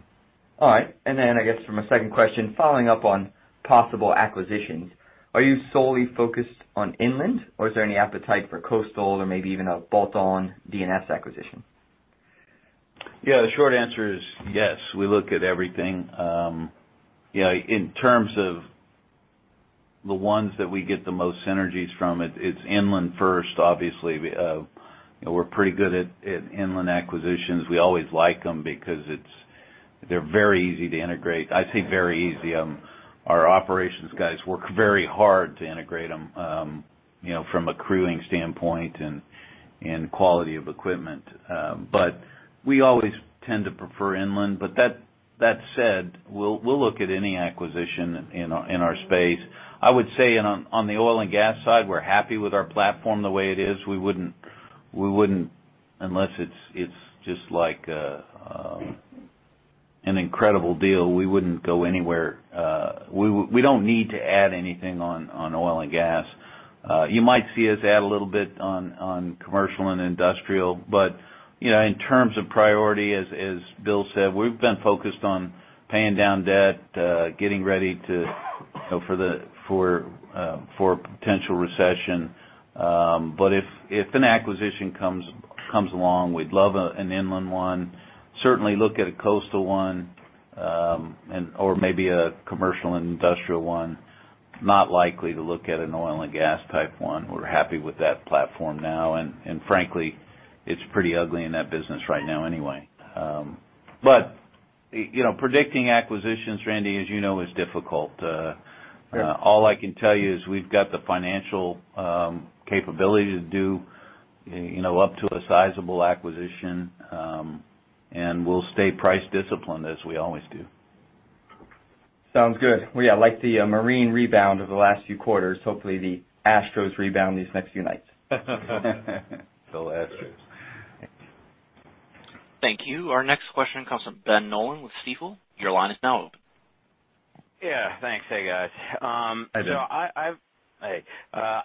All right. And then I guess for my second question, following up on possible acquisitions, are you solely focused on inland, or is there any appetite for coastal or maybe even a bolt-on D&S acquisition? Yeah, the short answer is yes, we look at everything. You know, in terms of the ones that we get the most synergies from, it's inland first, obviously. You know, we're pretty good at inland acquisitions. We always like them because they're very easy to integrate. I say very easy, our operations guys work very hard to integrate them, you know, from a crewing standpoint and quality of equipment. But we always tend to prefer inland, but that said, we'll look at any acquisition in our space. I would say on the oil and gas side, we're happy with our platform the way it is. We wouldn't unless it's just like an incredible deal, we wouldn't go anywhere. We don't need to add anything on oil and gas. You might see us add a little bit on commercial and industrial, but you know, in terms of priority, as Bill said, we've been focused on paying down debt, getting ready, you know, for a potential recession. But if an acquisition comes along, we'd love an inland one. Certainly look at a coastal one, and/or maybe a commercial and industrial one. Not likely to look at an oil and gas type one. We're happy with that platform now, and frankly, it's pretty ugly in that business right now anyway. But you know, predicting acquisitions, Randy, as you know, is difficult. All I can tell you is we've got the financial capability to do, you know, up to a sizable acquisition, and we'll stay price disciplined as we always do. Sounds good. Well, yeah, I like the marine rebound of the last few quarters. Hopefully, the Astros rebound these next few nights. Go Astros. Thank you. Our next question comes from Ben Nolan with Stifel. Your line is now open. Yeah, thanks. Hey, guys. So I, I've- Hey, Ben. Hey.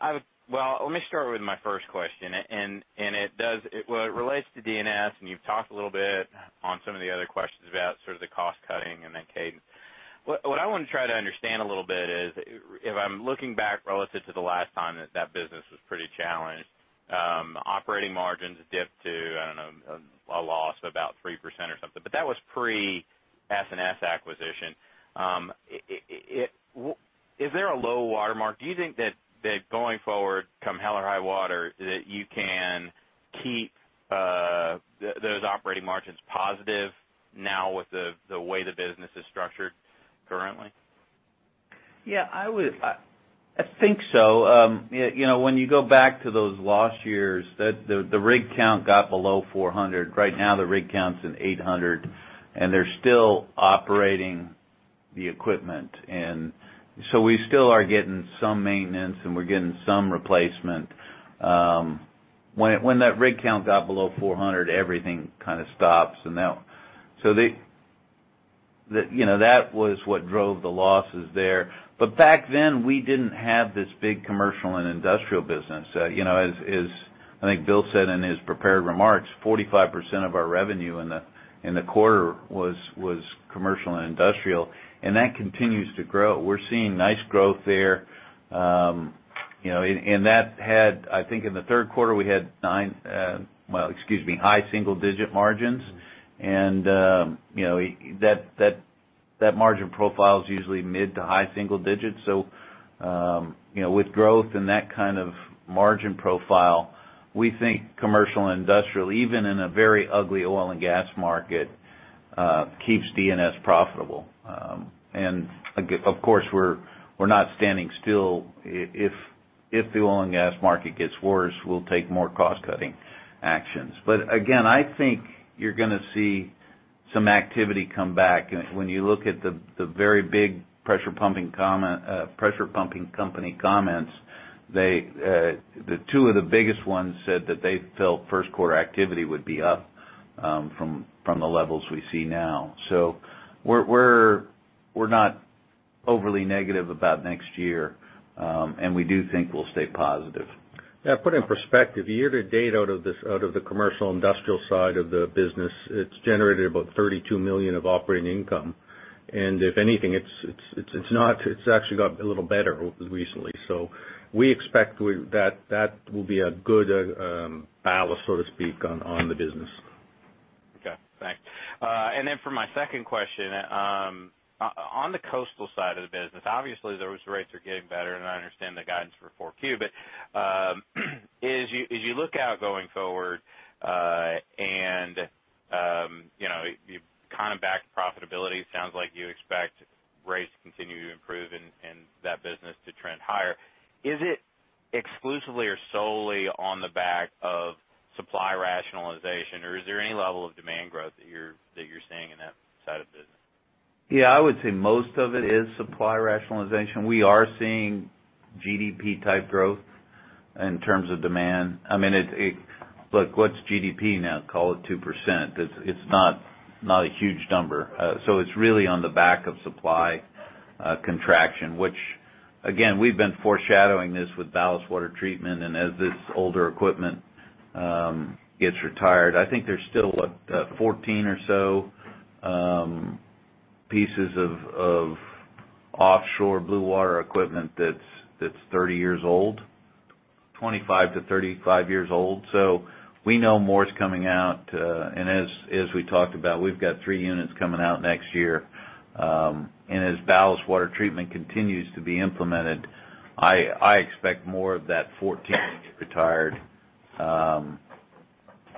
I would-- Well, let me start with my first question, and it does-- Well, it relates to D&S, and you've talked a little bit on some of the other questions about sort of the cost cutting and the cadence. What I want to try to understand a little bit is, if I'm looking back relative to the last time that that business was pretty challenged, operating margins dipped to, I don't know, a loss of about 3% or something, but that was pre-S&S acquisition. Is there a low water mark? Do you think that, going forward, come hell or high water, that you can keep those operating margins positive now with the way the business is structured currently? Yeah, I would, I think so. You know, when you go back to those lost years, the rig count got below 400. Right now, the rig count's in 800, and they're still operating the equipment. And so we still are getting some maintenance, and we're getting some replacement. When that rig count got below 400, everything kind of stops, and that... So the, you know, that was what drove the losses there. But back then, we didn't have this big commercial and industrial business. You know, as I think Bill said in his prepared remarks, 45% of our revenue in the quarter was commercial and industrial, and that continues to grow. We're seeing nice growth there. You know, and that had, I think in the third quarter, we had 9, well, excuse me, high single-digit margins. You know, that margin profile is usually mid to high single digits. So, you know, with growth and that kind of margin profile, we think commercial and industrial, even in a very ugly oil and gas market, keeps D&S profitable. Of course, we're not standing still. If the oil and gas market gets worse, we'll take more cost-cutting actions. But again, I think you're gonna see some activity come back. When you look at the very big pressure pumping company comments, they, the two of the biggest ones said that they felt first quarter activity would be up, from the levels we see now. So we're not overly negative about next year, and we do think we'll stay positive. Yeah, put in perspective, year to date, out of this, out of the commercial industrial side of the business, it's generated about $32 million of operating income. And if anything, it's not. It's actually got a little better recently. So we expect that that will be a good balance, so to speak, on the business. Okay, thanks. And then for my second question, on the coastal side of the business, obviously, those rates are getting better, and I understand the guidance for 4Q. But as you look out going forward, and you know, you've kind of backed profitability, it sounds like you expect rates to continue to improve and that business to trend higher. Is it exclusively or solely on the back of supply rationalization, or is there any level of demand growth that you're seeing in that side of the business? Yeah, I would say most of it is supply rationalization. We are seeing GDP-type growth in terms of demand. I mean, Look, what's GDP now? Call it 2%. It's not a huge number. So it's really on the back of supply contraction, which, again, we've been foreshadowing this with ballast water treatment, and as this older equipment gets retired, I think there's still what, 14 or so pieces of offshore blue water equipment that's 30 years old, 25-35 years old. So we know more is coming out, and as we talked about, we've got 3 units coming out next year. And as ballast water treatment continues to be implemented, I expect more of that 14 to get retired.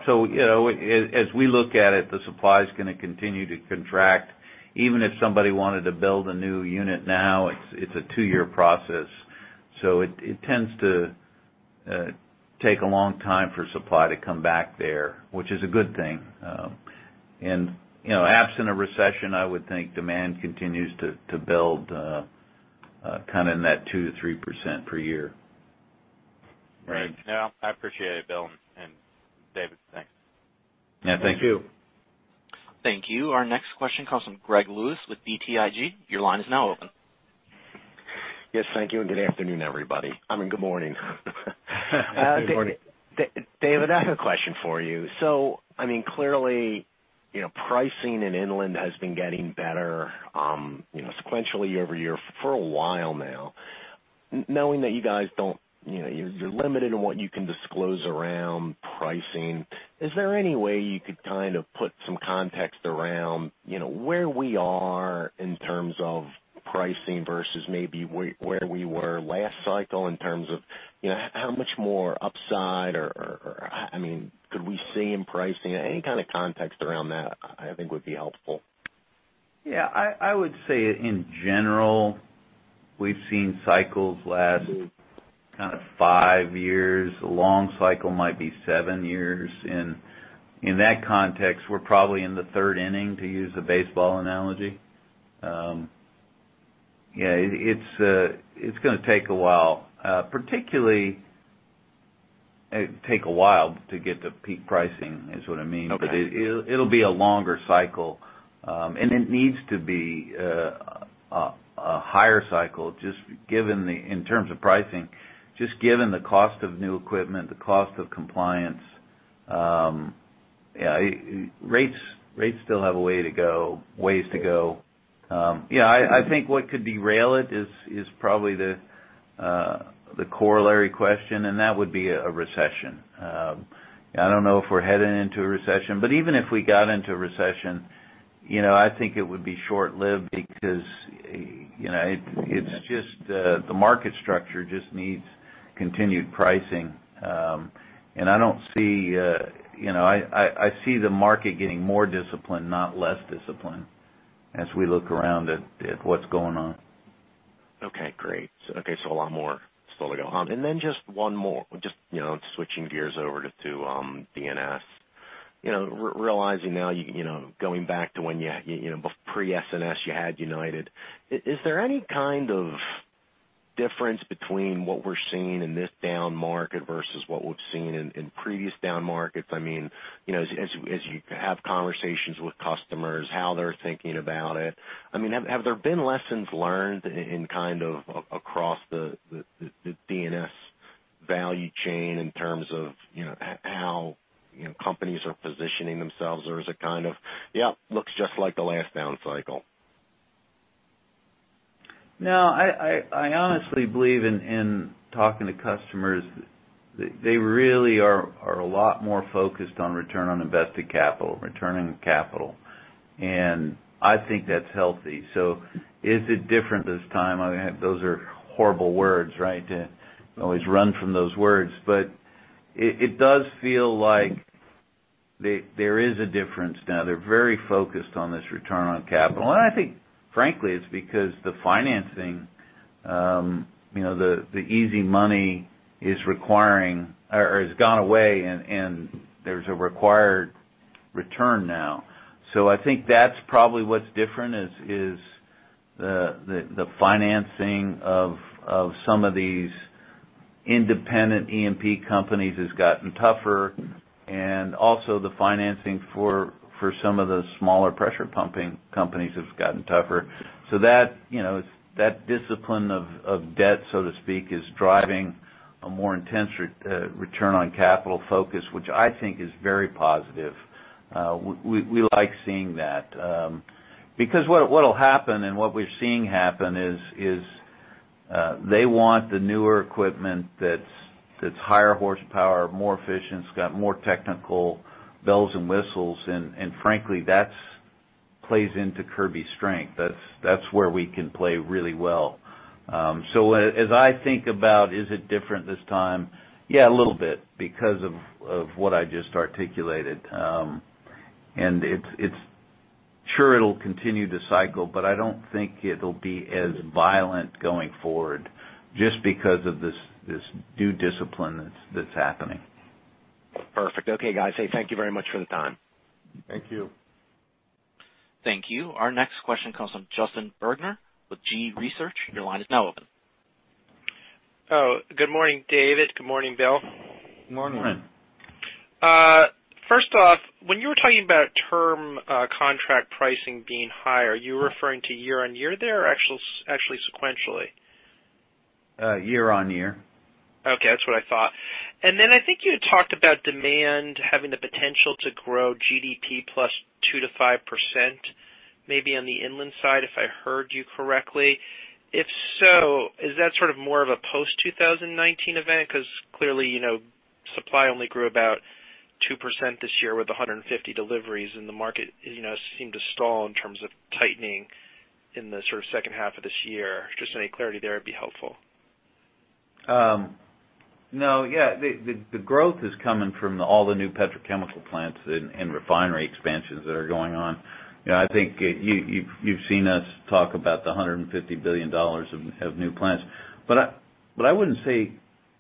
So, you know, as we look at it, the supply is gonna continue to contract. Even if somebody wanted to build a new unit now, it's a two-year process, so it tends to take a long time for supply to come back there, which is a good thing. And, you know, absent a recession, I would think demand continues to build, kind of in that 2%-3% per year. Great. Yeah, I appreciate it, Bill and David. Thanks. Yeah, thank you. Thank you. Thank you. Our next question comes from Greg Lewis with BTIG. Your line is now open. Yes, thank you, and good afternoon, everybody. I mean, good morning. Good morning. David, I have a question for you. So, I mean, clearly, you know, pricing in inland has been getting better, you know, sequentially year-over-year for a while now. Knowing that you guys don't, you know, you're limited in what you can disclose around pricing, is there any way you could kind of put some context around, you know, where we are in terms of pricing versus maybe where, where we were last cycle in terms of, you know, how much more upside or, or, I mean, could we see in pricing? Any kind of context around that, I think, would be helpful. Yeah, I would say in general, we've seen cycles last kind of five years. A long cycle might be seven years. In that context, we're probably in the third inning, to use a baseball analogy. Yeah, it's gonna take a while, particularly, take a while to get to peak pricing is what I mean. Okay. But it, it'll be a longer cycle, and it needs to be a higher cycle, just given the, in terms of pricing, just given the cost of new equipment, the cost of compliance. Yeah, rates, rates still have a way to go, ways to go. Yeah, I, I think what could derail it is, is probably the corollary question, and that would be a recession. I don't know if we're heading into a recession, but even if we got into a recession, you know, I think it would be short-lived because, you know, it, it's just the market structure just needs continued pricing. And I don't see, you know, I, I, I see the market getting more disciplined, not less disciplined as we look around at, at what's going on. Okay, great. Okay, so a lot more still to go. And then just one more. Just, you know, switching gears over to D&S. You know, realizing now, you know, going back to when you, you know, pre-S&S, you had United. Is there any kind of difference between what we're seeing in this down market versus what we've seen in previous down markets? I mean, you know, as you have conversations with customers, how they're thinking about it. I mean, have there been lessons learned in, kind of, across the D&S value chain in terms of, you know, how, you know, companies are positioning themselves? Or is it kind of, "Yeah, looks just like the last down cycle. No, I honestly believe in talking to customers, they really are a lot more focused on return on invested capital, returning capital, and I think that's healthy. So is it different this time? I mean, those are horrible words, right? To always run from those words, but it does feel like there is a difference now. They're very focused on this return on capital. And I think, frankly, it's because the financing, you know, the easy money is requiring or has gone away, and there's a required return now. So I think that's probably what's different, is the financing of some of these independent E&P companies has gotten tougher, and also the financing for some of the smaller pressure pumping companies has gotten tougher. So that, you know, that discipline of debt, so to speak, is driving a more intense return on capital focus, which I think is very positive. We like seeing that, because what'll happen and what we're seeing happen is they want the newer equipment that's higher horsepower, more efficient, it's got more technical bells and whistles, and frankly, that plays into Kirby's strength. That's where we can play really well. So as I think about, is it different this time? Yeah, a little bit, because of what I just articulated. And it's... Sure, it'll continue to cycle, but I don't think it'll be as violent going forward just because of this new discipline that's happening. Perfect. Okay, guys. Hey, thank you very much for the time. Thank you. Thank you. Our next question comes from Justin Bergner with G.research. Your line is now open. Oh, good morning, David. Good morning, Bill. Morning. Morning. First off, when you were talking about term contract pricing being higher, you were referring to year on year there, or actually sequentially? Year-over-year. Okay, that's what I thought. And then I think you talked about demand having the potential to grow GDP plus 2%-5%, maybe on the inland side, if I heard you correctly. If so, is that sort of more of a post-2019 event? Because clearly, you know, supply only grew about 2% this year with 150 deliveries, and the market, you know, seemed to stall in terms of tightening in the sort of second half of this year. Just any clarity there would be helpful. No, yeah, the growth is coming from all the new petrochemical plants and refinery expansions that are going on. You know, I think you, you've seen us talk about the $150 billion of new plants. But I wouldn't say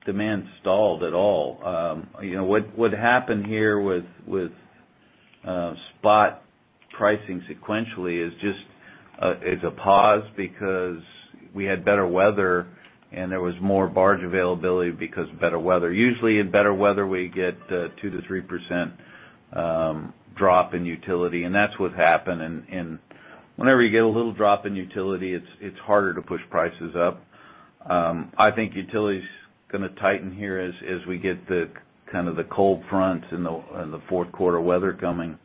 demand stalled at all. You know, what happened here with spot pricing sequentially is just a pause because we had better weather, and there was more barge availability because of better weather. Usually, in better weather, we get 2%-3% drop in utility, and that's what happened, and whenever you get a little drop in utility, it's harder to push prices up. I think utility's gonna tighten here as we get the kind of cold front and the fourth quarter weather coming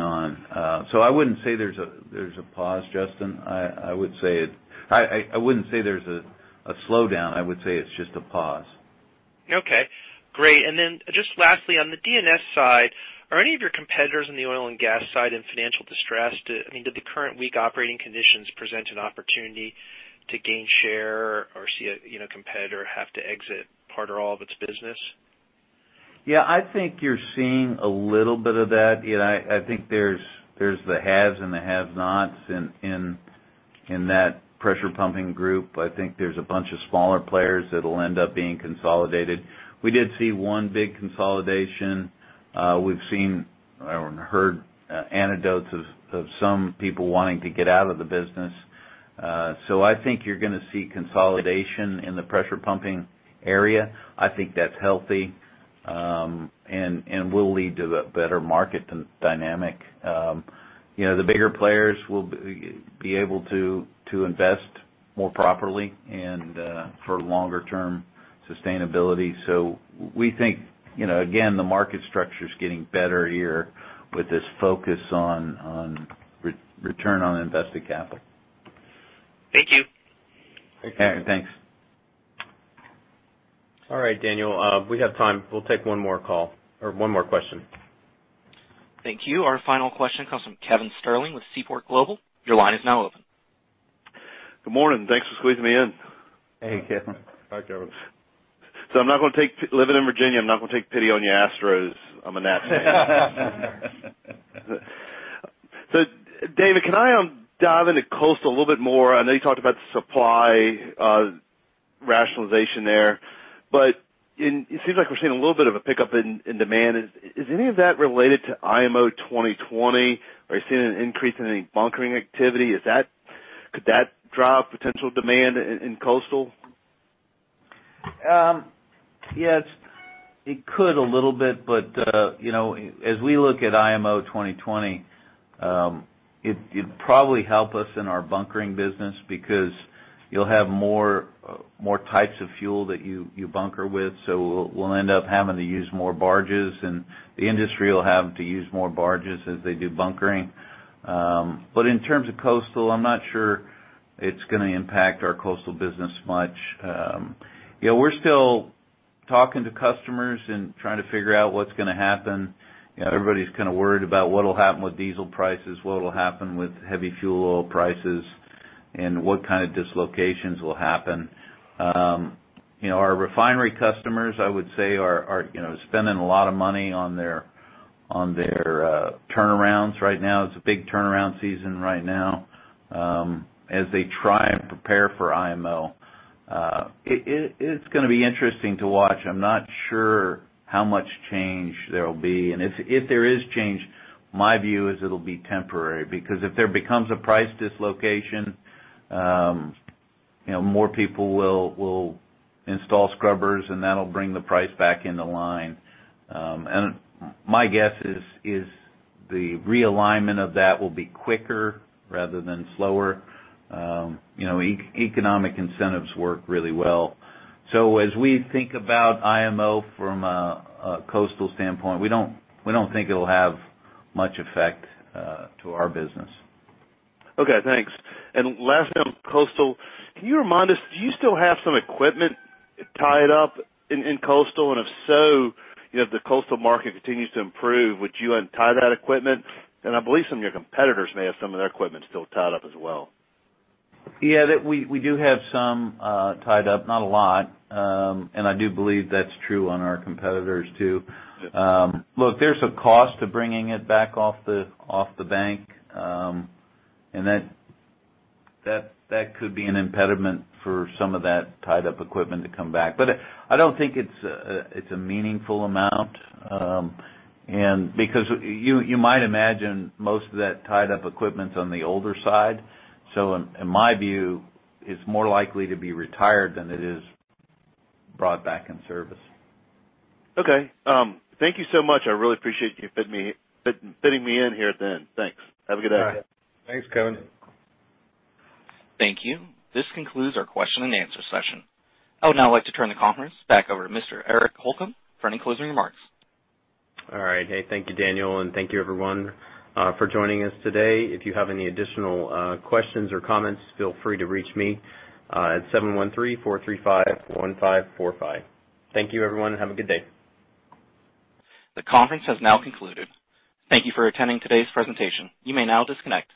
on. So I wouldn't say there's a pause, Justin. I would say it—I wouldn't say there's a slowdown. I would say it's just a pause.... Okay, great. And then just lastly, on the D&S side, are any of your competitors in the oil and gas side in financial distress? Do—I mean, do the current weak operating conditions present an opportunity to gain share or see a, you know, competitor have to exit part or all of its business? Yeah, I think you're seeing a little bit of that. You know, I think there's the haves and the have-nots in that pressure pumping group. I think there's a bunch of smaller players that'll end up being consolidated. We did see one big consolidation. We've seen or heard anecdotes of some people wanting to get out of the business. So I think you're gonna see consolidation in the pressure pumping area. I think that's healthy, and will lead to a better market dynamic. You know, the bigger players will be able to invest more properly and for longer term sustainability. So we think, you know, again, the market structure is getting better here with this focus on return on invested capital. Thank you. Okay, thanks. All right, Daniel, we have time. We'll take one more call or one more question. Thank you. Our final question comes from Kevin Sterling with Seaport Global. Your line is now open. Good morning. Thanks for squeezing me in. Hey, Kevin. Hi, Kevin. So living in Virginia, I'm not gonna take pity on you Astros. I'm a Nats fan. So David, can I dive into coastal a little bit more? I know you talked about the supply rationalization there, but it seems like we're seeing a little bit of a pickup in demand. Is any of that related to IMO 2020? Are you seeing an increase in any bunkering activity? Could that drive potential demand in coastal? Yes, it could a little bit, but, you know, as we look at IMO 2020, it, it'd probably help us in our bunkering business because you'll have more, more types of fuel that you, you bunker with, so we'll, we'll end up having to use more barges, and the industry will have to use more barges as they do bunkering. But in terms of coastal, I'm not sure it's gonna impact our coastal business much. You know, we're still talking to customers and trying to figure out what's gonna happen. You know, everybody's kind of worried about what'll happen with diesel prices, what'll happen with heavy fuel oil prices, and what kind of dislocations will happen. You know, our refinery customers, I would say, are, are, you know, spending a lot of money on their, on their, turnarounds. Right now, it's a big turnaround season right now, as they try and prepare for IMO. It, it's gonna be interesting to watch. I'm not sure how much change there will be, and if there is change, my view is it'll be temporary, because if there becomes a price dislocation, you know, more people will install scrubbers, and that'll bring the price back into line. And my guess is the realignment of that will be quicker rather than slower. You know, economic incentives work really well. So as we think about IMO from a coastal standpoint, we don't think it'll have much effect to our business. Okay, thanks. And lastly, on coastal, can you remind us, do you still have some equipment tied up in coastal? And if so, you know, if the coastal market continues to improve, would you untie that equipment? And I believe some of your competitors may have some of their equipment still tied up as well. Yeah, that we do have some tied up, not a lot. And I do believe that's true on our competitors, too. Look, there's a cost to bringing it back off the bank, and that could be an impediment for some of that tied up equipment to come back. But I don't think it's a meaningful amount, and because you might imagine most of that tied up equipment's on the older side, so in my view, it's more likely to be retired than it is brought back in service. Okay, thank you so much. I really appreciate you fitting me in here at the end. Thanks. Have a good day. Thanks, Kevin. Thank you. This concludes our question and answer session. I would now like to turn the conference back over to Mr. Eric Holcomb for any closing remarks. All right. Hey, thank you, Daniel, and thank you, everyone, for joining us today. If you have any additional questions or comments, feel free to reach me at 713-435-1545. Thank you, everyone, and have a good day. The conference has now concluded. Thank you for attending today's presentation. You may now disconnect.